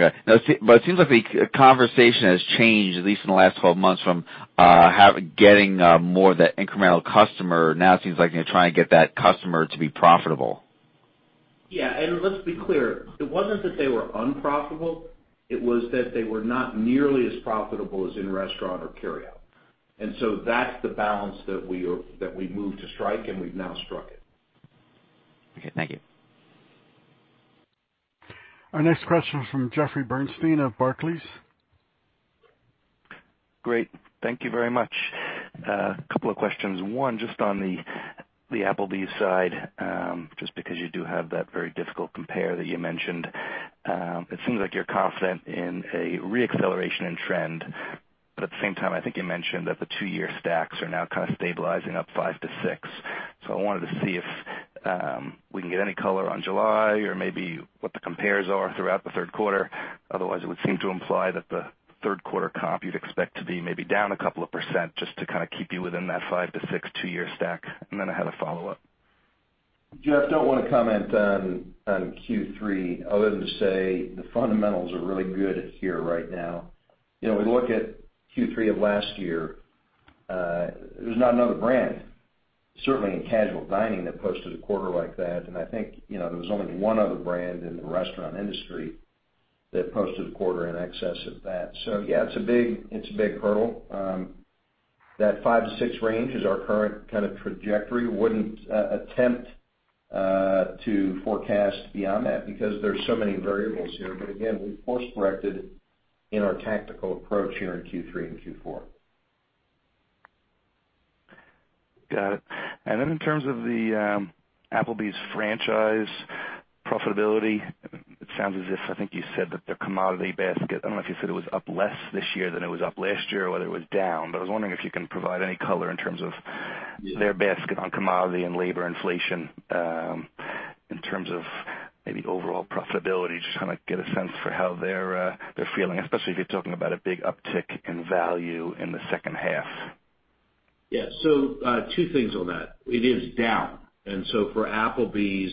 Okay. It seems like the conversation has changed, at least in the last 12 months, from getting more of that incremental customer. Now it seems like you're trying to get that customer to be profitable. Yeah. Let's be clear, it wasn't that they were unprofitable. It was that they were not nearly as profitable as in restaurant or carry out. That's the balance that we moved to strike, and we've now struck it. Okay. Thank you. Our next question is from Jeffrey Bernstein of Barclays. Great. Thank you very much. A couple of questions. One, just on the Applebee's side, just because you do have that very difficult compare that you mentioned. It seems like you're confident in a re-acceleration in trend. At the same time, I think you mentioned that the two-year stacks are now kind of stabilizing up 5%-6%. I wanted to see if we can get any color on July or maybe what the compares are throughout the third quarter. Otherwise, it would seem to imply that the third quarter comp you'd expect to be maybe down a couple of percent, just to kind of keep you within that 5%-6% two-year stack. I had a follow-up. Jeff, don't want to comment on Q3 other than to say the fundamentals are really good here right now. We look at Q3 of last year, there's not another brand, certainly in casual dining, that posted a quarter like that, and I think there was only one other brand in the restaurant industry that posted a quarter in excess of that. Yeah, it's a big hurdle. That five to six range is our current kind of trajectory. Wouldn't attempt to forecast beyond that because there's so many variables here. Again, we've course-corrected in our tactical approach here in Q3 and Q4. Got it. In terms of the Applebee's franchise profitability, it sounds as if, I think you said that their commodity basket, I don't know if you said it was up less this year than it was up last year or whether it was down, but I was wondering if you can provide any color in terms of their basket on commodity and labor inflation, in terms of maybe overall profitability, just trying to get a sense for how they're feeling, especially if you're talking about a big uptick in value in the second half. Yeah. Two things on that. It is down. For Applebee's,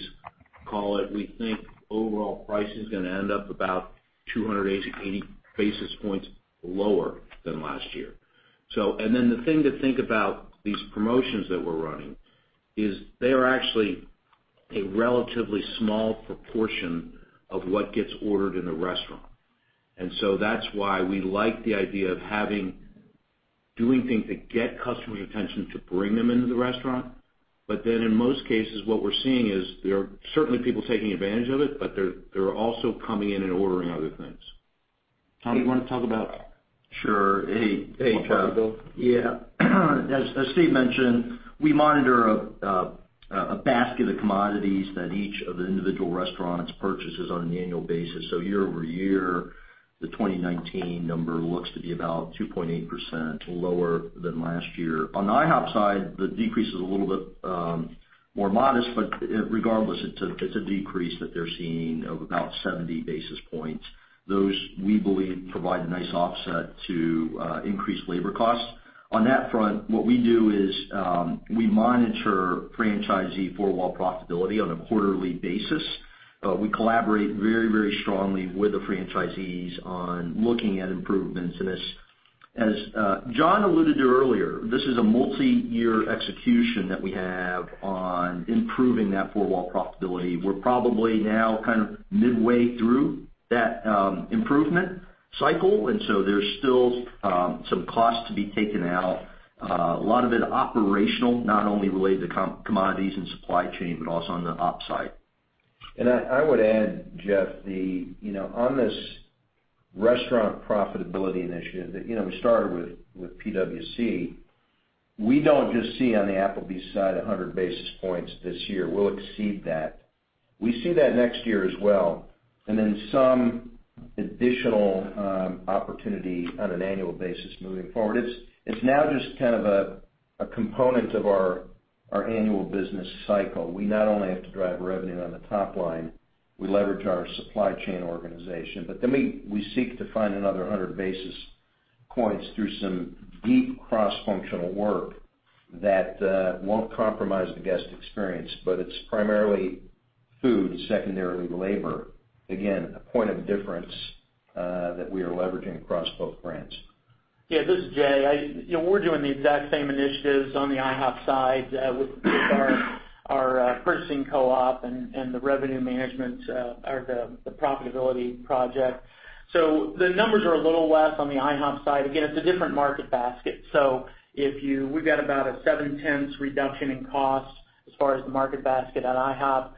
call it, we think overall pricing is going to end up about 280 basis points lower than last year. The thing to think about these promotions that we're running is they are actually a relatively small proportion of what gets ordered in a restaurant. That's why we like the idea of doing things that get customers' attention to bring them into the restaurant. In most cases, what we're seeing is there are certainly people taking advantage of it, but they're also coming in and ordering other things. Tom, you want to talk about that? Sure. Hey, Jeff. Hey, Tom. Yeah. As Steve mentioned, we monitor a basket of commodities that each of the individual restaurants purchases on an annual basis. Year-over-year, the 2019 number looks to be about 2.8% lower than last year. On the IHOP side, the decrease is a little bit more modest, but regardless, it's a decrease that they're seeing of about 70 basis points. Those, we believe, provide a nice offset to increased labor costs. On that front, what we do is, we monitor franchisee four-wall profitability on a quarterly basis. We collaborate very strongly with the franchisees on looking at improvements in this. As John alluded to earlier, this is a multi-year execution that we have on improving that four-wall profitability. We're probably now kind of midway through that improvement cycle, there's still some costs to be taken out. A lot of it operational, not only related to commodities and supply chain, but also on the op side. I would add, Jeff, on this restaurant profitability initiative that we started with P&L, we don't just see on the Applebee's side 100 basis points this year. We'll exceed that. We see that next year as well, and then some additional opportunity on an annual basis moving forward. It's now just kind of a component of our annual business cycle. We not only have to drive revenue on the top line, we leverage our supply chain organization. We seek to find another 100 basis points through some deep cross-functional work that won't compromise the guest experience. It's primarily food, secondarily labor. Again, a point of difference that we are leveraging across both brands. Yeah, this is Jay. We're doing the exact same initiatives on the IHOP side with our purchasing co-op and the revenue management or the profitability project. The numbers are a little less on the IHOP side. Again, it's a different market basket. We've got about a seven-tenths reduction in cost as far as the market basket at IHOP.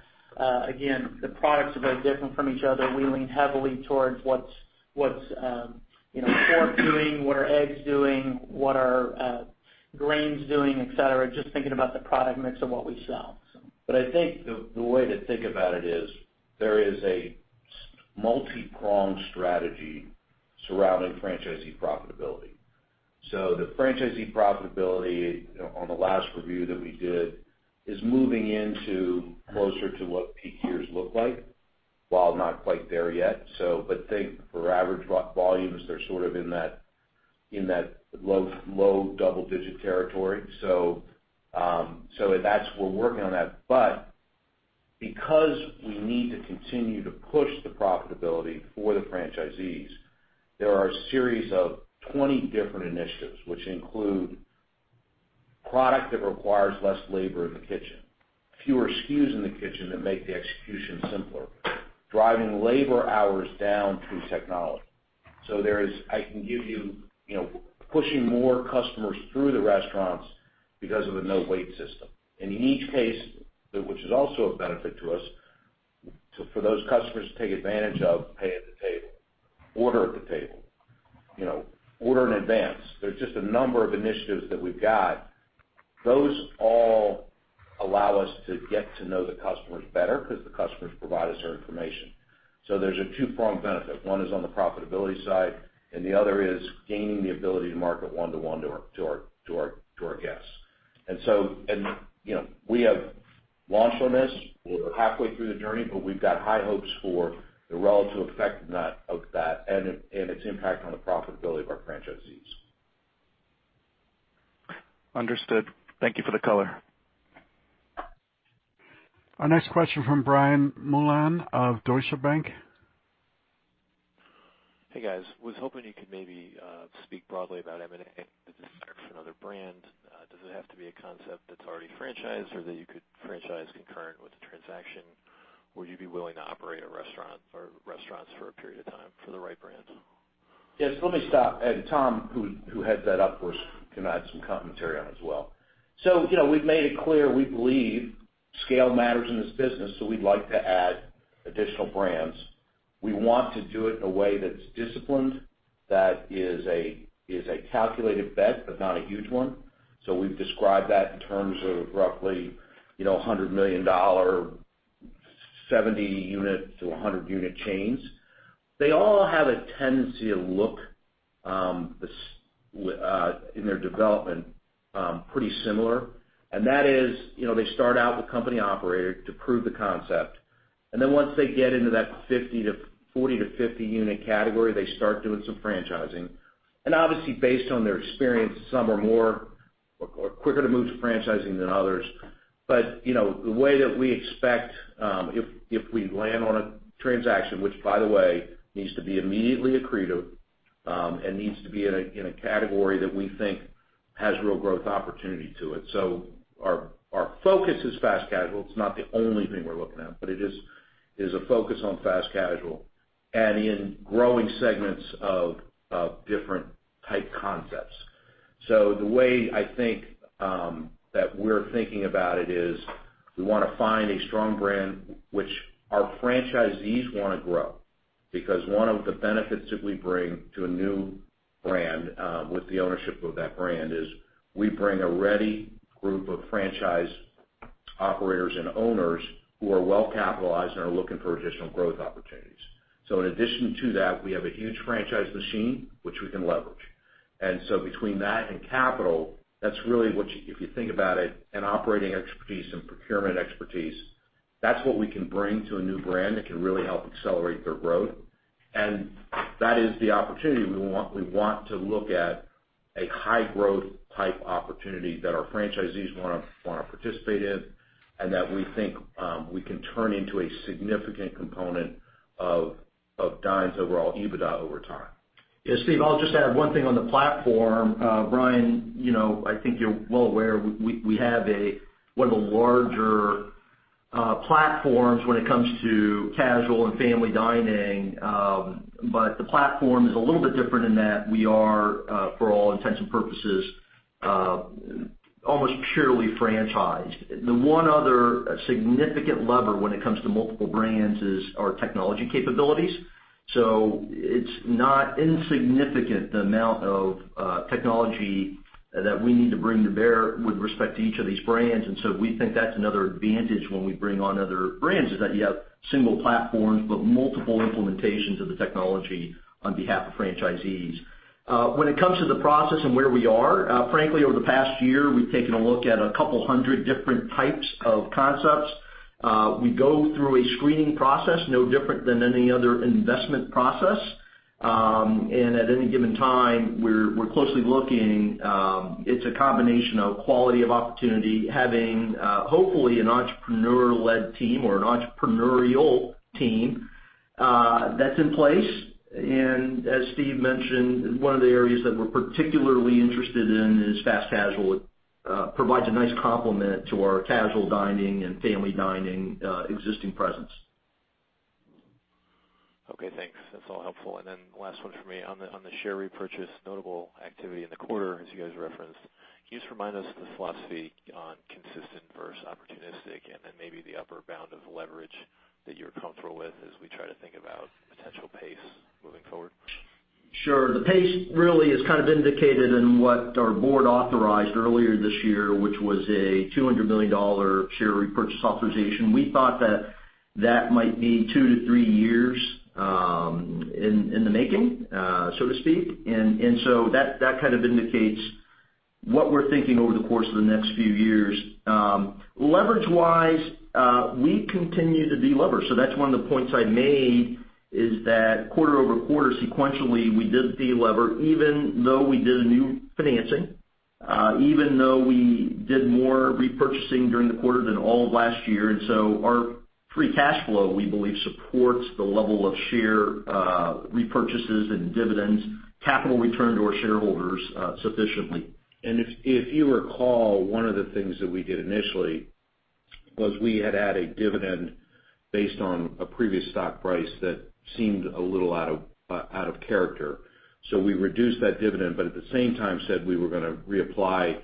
Again, the products are very different from each other. We lean heavily towards what's pork doing, what are eggs doing, what are grains doing, et cetera. Just thinking about the product mix of what we sell. I think the way to think about it is there is a multi-pronged strategy surrounding franchisee profitability. The franchisee profitability on the last review that we did is moving into closer to what peak years look like, while not quite there yet. Think for average volumes, they're sort of in that low double-digit territory. We're working on that. Because we need to continue to push the profitability for the franchisees, there are a series of 20 different initiatives which include product that requires less labor in the kitchen, fewer SKUs in the kitchen that make the execution simpler, driving labor hours down through technology. Pushing more customers through the restaurants because of a NoWait system. In each case, which is also of benefit to us, for those customers to take advantage of pay at the table, order at the table, order in advance. There's just a number of initiatives that we've got. Those all allow us to get to know the customers better because the customers provide us their information. There's a two-pronged benefit. One is on the profitability side, and the other is gaining the ability to market one-to-one to our guests. We have launched on this. We're halfway through the journey, but we've got high hopes for the relative effect of that and its impact on the profitability of our franchisees. Understood. Thank you for the color. Our next question from Brian Mullan of Deutsche Bank. Hey, guys. Was hoping you could maybe speak broadly about M&A, the description of the brand. Does it have to be a concept that's already franchised or that you could franchise concurrent with the transaction? Would you be willing to operate a restaurant or restaurants for a period of time for the right brand? Yes, let me start, and Tom, who heads that up, can add some commentary on it as well. We've made it clear we believe scale matters in this business, so we'd like to add additional brands. We want to do it in a way that's disciplined, that is a calculated bet, but not a huge one. We've described that in terms of roughly $100 million, 70 unit to 100 unit chains. They all have a tendency to look, in their development, pretty similar. That is, they start out with company operator to prove the concept, and then once they get into that 40-50 unit category, they start doing some franchising. Obviously, based on their experience, some are quicker to move to franchising than others. The way that we expect, if we land on a transaction, which by the way, needs to be immediately accretive, and needs to be in a category that we think has real growth opportunity to it. Our focus is fast casual. It's not the only thing we're looking at, but it is a focus on fast casual and in growing segments of different type concepts. The way I think that we're thinking about it is we want to find a strong brand which our franchisees want to grow. Because one of the benefits that we bring to a new brand, with the ownership of that brand is we bring a ready group of franchise operators and owners who are well capitalized and are looking for additional growth opportunities. In addition to that, we have a huge franchise machine, which we can leverage. Between that and capital, that's really what, if you think about it, and operating expertise and procurement expertise, that's what we can bring to a new brand that can really help accelerate their growth. That is the opportunity. We want to look at a high growth type opportunity that our franchisees want to participate in, and that we think we can turn into a significant component of Dine's overall EBITDA over time. Yes, Steve, I'll just add one thing on the platform. Brian, I think you're well aware we have one of the larger platforms when it comes to casual and family dining. The platform is a little bit different in that we are, for all intents and purposes, almost purely franchised. The one other significant lever when it comes to multiple brands is our technology capabilities. It's not insignificant the amount of technology that we need to bring to bear with respect to each of these brands. We think that's another advantage when we bring on other brands, is that you have single platforms but multiple implementations of the technology on behalf of franchisees. When it comes to the process and where we are, frankly, over the past year, we've taken a look at a couple 100 different types of concepts. We go through a screening process, no different than any other investment process. At any given time, we're closely looking. It's a combination of quality of opportunity, having, hopefully, an entrepreneur-led team or an entrepreneurial team that's in place. As Steve mentioned, one of the areas that we're particularly interested in is fast casual. It provides a nice complement to our casual dining and family dining existing presence. Okay, thanks. That's all helpful. Last one for me. On the share repurchase notable activity in the quarter, as you guys referenced, can you just remind us of the philosophy on consistent versus opportunistic and then maybe the upper bound of leverage that you're comfortable with as we try to think about potential pace moving forward? Sure. The pace really is kind of indicated in what our board authorized earlier this year, which was a $200 million share repurchase authorization. We thought that that might be two to three years in the making, so to speak. That kind of indicates what we're thinking over the course of the next few years. Leverage-wise, we continue to delever. That's one of the points I made is that quarter-over-quarter sequentially, we did delever even though we did a new financing, even though we did more repurchasing during the quarter than all of last year. Our free cash flow, we believe, supports the level of share repurchases and dividends, capital return to our shareholders sufficiently. If you recall, one of the things that we did initially was we had added dividend based on a previous stock price that seemed a little out of character. We reduced that dividend, but at the same time said we were going to reapply,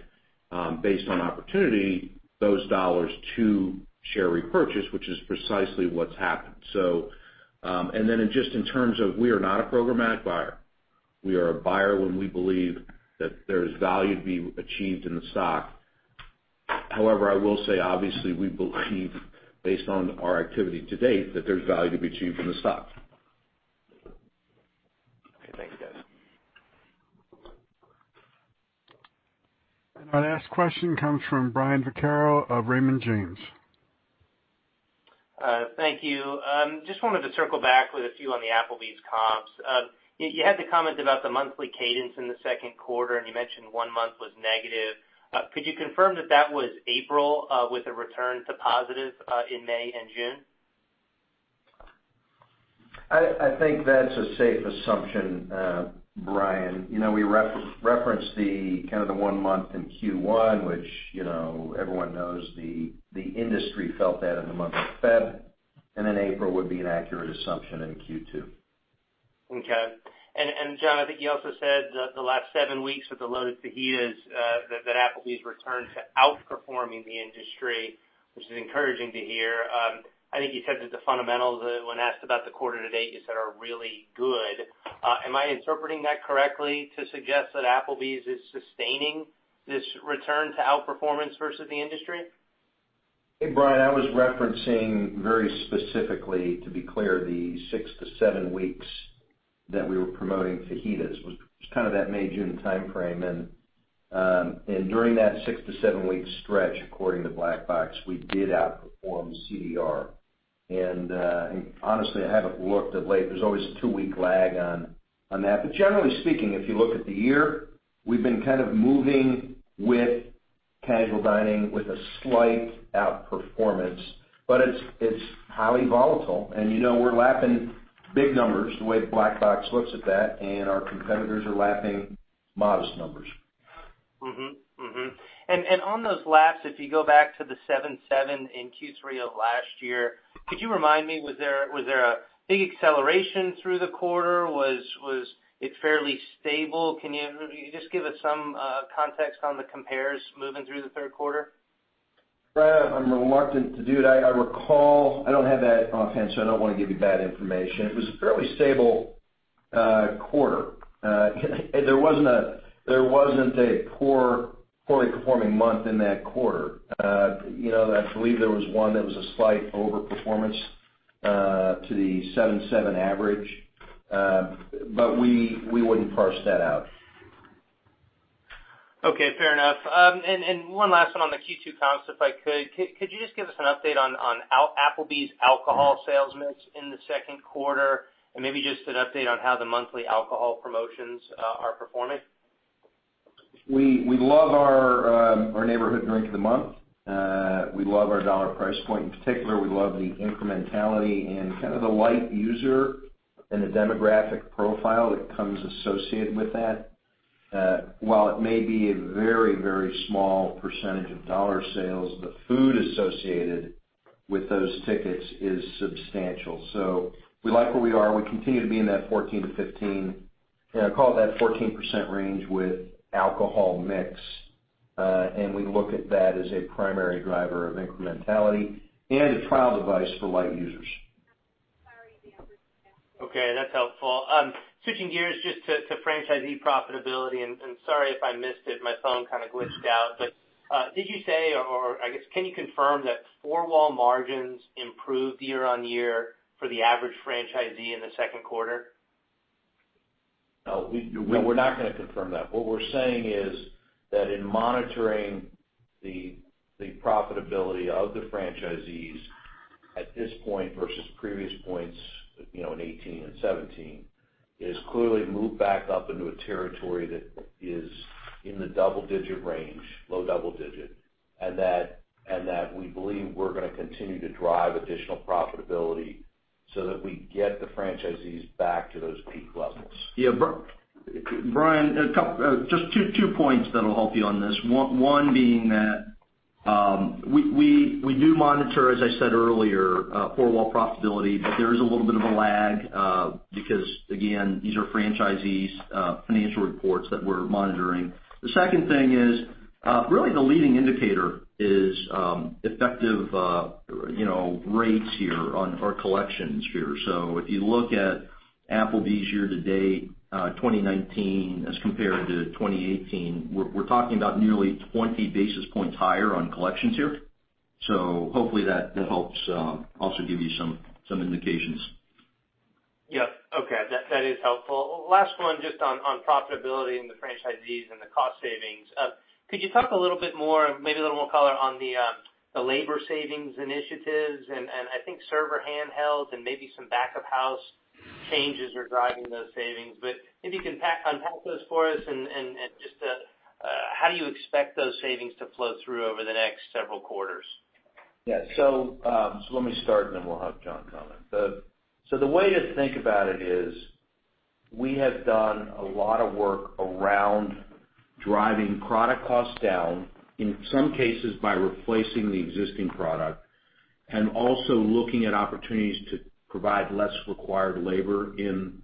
based on opportunity, those dollars to share repurchase, which is precisely what's happened. Just in terms of we are not a programmatic buyer. We are a buyer when we believe that there is value to be achieved in the stock. I will say, obviously, we believe based on our activity to date, that there's value to be achieved in the stock. Okay. Thanks, guys. Our last question comes from Brian Vaccaro of Raymond James. Thank you. Just wanted to circle back with a few on the Applebee's comps. You had the comment about the monthly cadence in the second quarter, you mentioned one month was negative. Could you confirm that that was April, with a return to positive in May and June? I think that's a safe assumption, Brian. We referenced the one month in Q1, which everyone knows the industry felt that in the month of Feb, and then April would be an accurate assumption in Q2. Okay. John, I think you also said the last seven weeks with the Loaded Fajitas that Applebee's returned to outperforming the industry, which is encouraging to hear. I think you said that the fundamentals, when asked about the quarter-to-date, you said are really good. Am I interpreting that correctly to suggest that Applebee's is sustaining this return to outperformance versus the industry? Hey, Brian, I was referencing very specifically, to be clear, the six to seven weeks that we were promoting fajitas, which was kind of that May, June timeframe. During that six to seven-week stretch, according to Black Box, we did outperform CDR. Honestly, I haven't looked of late. There's always a two-week lag on that. Generally speaking, if you look at the year, we've been kind of moving with casual dining with a slight outperformance, but it's highly volatile. We're lapping big numbers the way Black Box looks at that, and our competitors are lapping modest numbers. On those laps, if you go back to the 7.7 in Q3 of last year, could you remind me, was there a big acceleration through the quarter? Was it fairly stable? Can you just give us some context on the compares moving through the third quarter? Brian, I'm reluctant to do it. I recall I don't have that offhand, so I don't want to give you bad information. It was a fairly stable quarter. There wasn't a poorly performing month in that quarter. I believe there was one that was a slight overperformance to the 7.7 average. We wouldn't parse that out. Okay, fair enough. One last one on the Q2 comps, if I could. Could you just give us an update on Applebee's alcohol sales mix in the second quarter, and maybe just an update on how the monthly alcohol promotions are performing? We love our Neighborhood Drink of the Month. We love our dollar price point. In particular, we love the incrementality and kind of the light user and the demographic profile that comes associated with that. While it may be a very small percentage of dollar sales, the food associated with those tickets is substantial. We like where we are. We continue to be in that 14%-15%, call it that 14% range with alcohol mix. We look at that as a primary driver of incrementality and a trial device for light users. Okay, that's helpful. Switching gears just to franchisee profitability, and sorry if I missed it, my phone kind of glitched out, but did you say, or I guess can you confirm that four-wall margins improved year-over-year for the average franchisee in the second quarter? No, we're not going to confirm that. What we're saying is that in monitoring the profitability of the franchisees at this point versus previous points in 2018 and 2017, it has clearly moved back up into a territory that is in the double-digit range, low double-digit, and that we believe we're going to continue to drive additional profitability so that we get the franchisees back to those peak levels. Yeah, Brian, just two points that'll help you on this. One being that we do monitor, as I said earlier, four-wall profitability, but there is a little bit of a lag because, again, these are franchisees' financial reports that we're monitoring. The second thing is really the leading indicator is effective rates here on our collections here. If you look at Applebee's year-to-date 2019 as compared to 2018, we're talking about nearly 20 basis points higher on collections here. Hopefully that helps also give you some indications. Yep. Okay, that is helpful. Last one just on profitability and the franchisees and the cost savings. Could you talk a little bit more, maybe a little more color on the labor savings initiatives and I think server handhelds and maybe some back of house changes are driving those savings. If you can unpack those for us and just how do you expect those savings to flow through over the next several quarters? Yeah. Let me start and then we'll have John comment. The way to think about it is we have done a lot of work around driving product costs down, in some cases by replacing the existing product and also looking at opportunities to provide less required labor in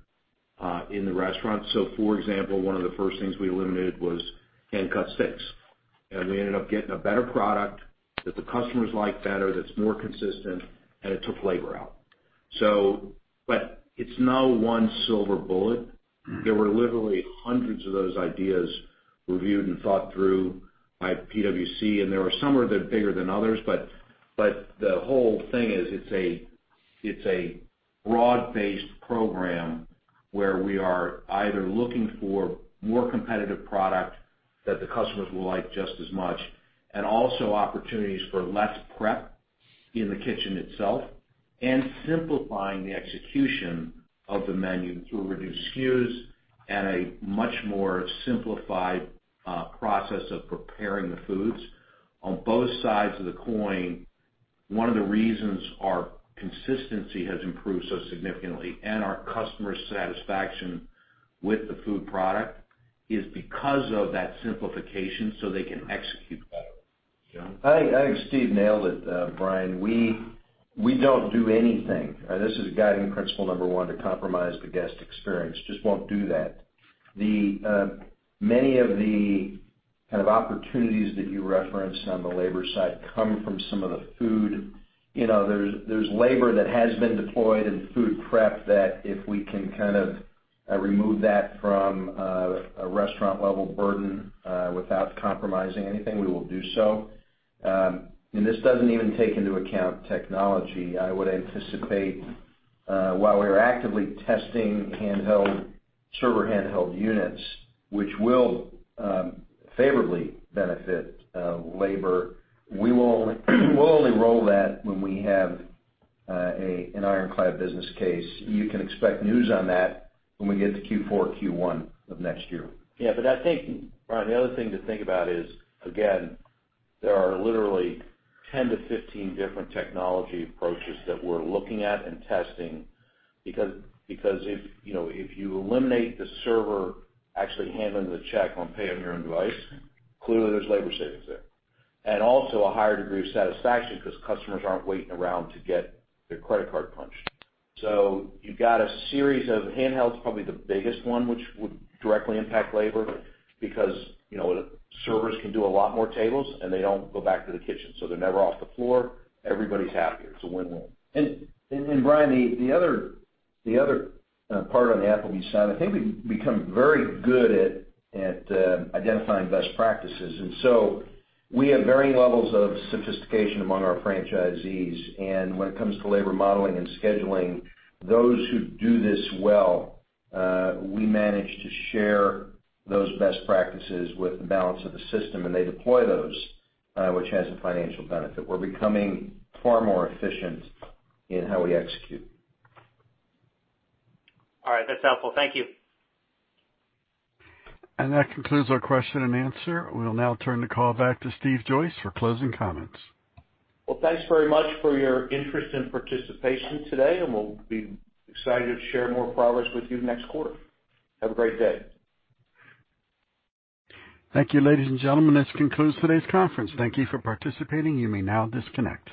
the restaurant. For example, one of the first things we eliminated was hand-cut steaks. We ended up getting a better product that the customers like better, that's more consistent, and it took labor out. It's no one silver bullet. There were literally hundreds of those ideas reviewed and thought through by P&L. There were some that are bigger than others. The whole thing is it's a broad-based program where we are either looking for more competitive product that the customers will like just as much, also opportunities for less prep in the kitchen itself, simplifying the execution of the menu through reduced SKUs and a much more simplified process of preparing the foods. On both sides of the coin, one of the reasons our consistency has improved so significantly and our customer satisfaction with the food product is because of that simplification so they can execute better. John? I think Steve nailed it, Brian. We don't do anything, this is guiding principle number one, to compromise the guest experience. Just won't do that. Many of the kind of opportunities that you referenced on the labor side come from some of the food. There's labor that has been deployed in food prep that if we can kind of remove that from a restaurant-level burden without compromising anything, we will do so. This doesn't even take into account technology. I would anticipate while we are actively testing server handheld units, which will favorably benefit labor, we will only roll that when we have an ironclad business case. You can expect news on that when we get to Q4, Q1 of next year. I think, Brian, the other thing to think about is, again, there are literally 10-15 different technology approaches that we're looking at and testing because if you eliminate the server actually handling the check on pay on your own device, clearly there's labor savings there. Also a higher degree of satisfaction because customers aren't waiting around to get their credit card punched. You've got a series of handhelds, probably the biggest one, which would directly impact labor because servers can do a lot more tables and they don't go back to the kitchen, so they're never off the floor. Everybody's happier. It's a win-win. Brian, the other part on the Applebee's side, I think we've become very good at identifying best practices. We have varying levels of sophistication among our franchisees. When it comes to labor modeling and scheduling, those who do this well, we manage to share those best practices with the balance of the system, and they deploy those, which has a financial benefit. We're becoming far more efficient in how we execute. All right. That's helpful. Thank you. That concludes our question and answer. We'll now turn the call back to Steve Joyce for closing comments. Well, thanks very much for your interest and participation today, and we'll be excited to share more progress with you next quarter. Have a great day. Thank you, ladies and gentlemen. This concludes today's conference. Thank you for participating. You may now disconnect.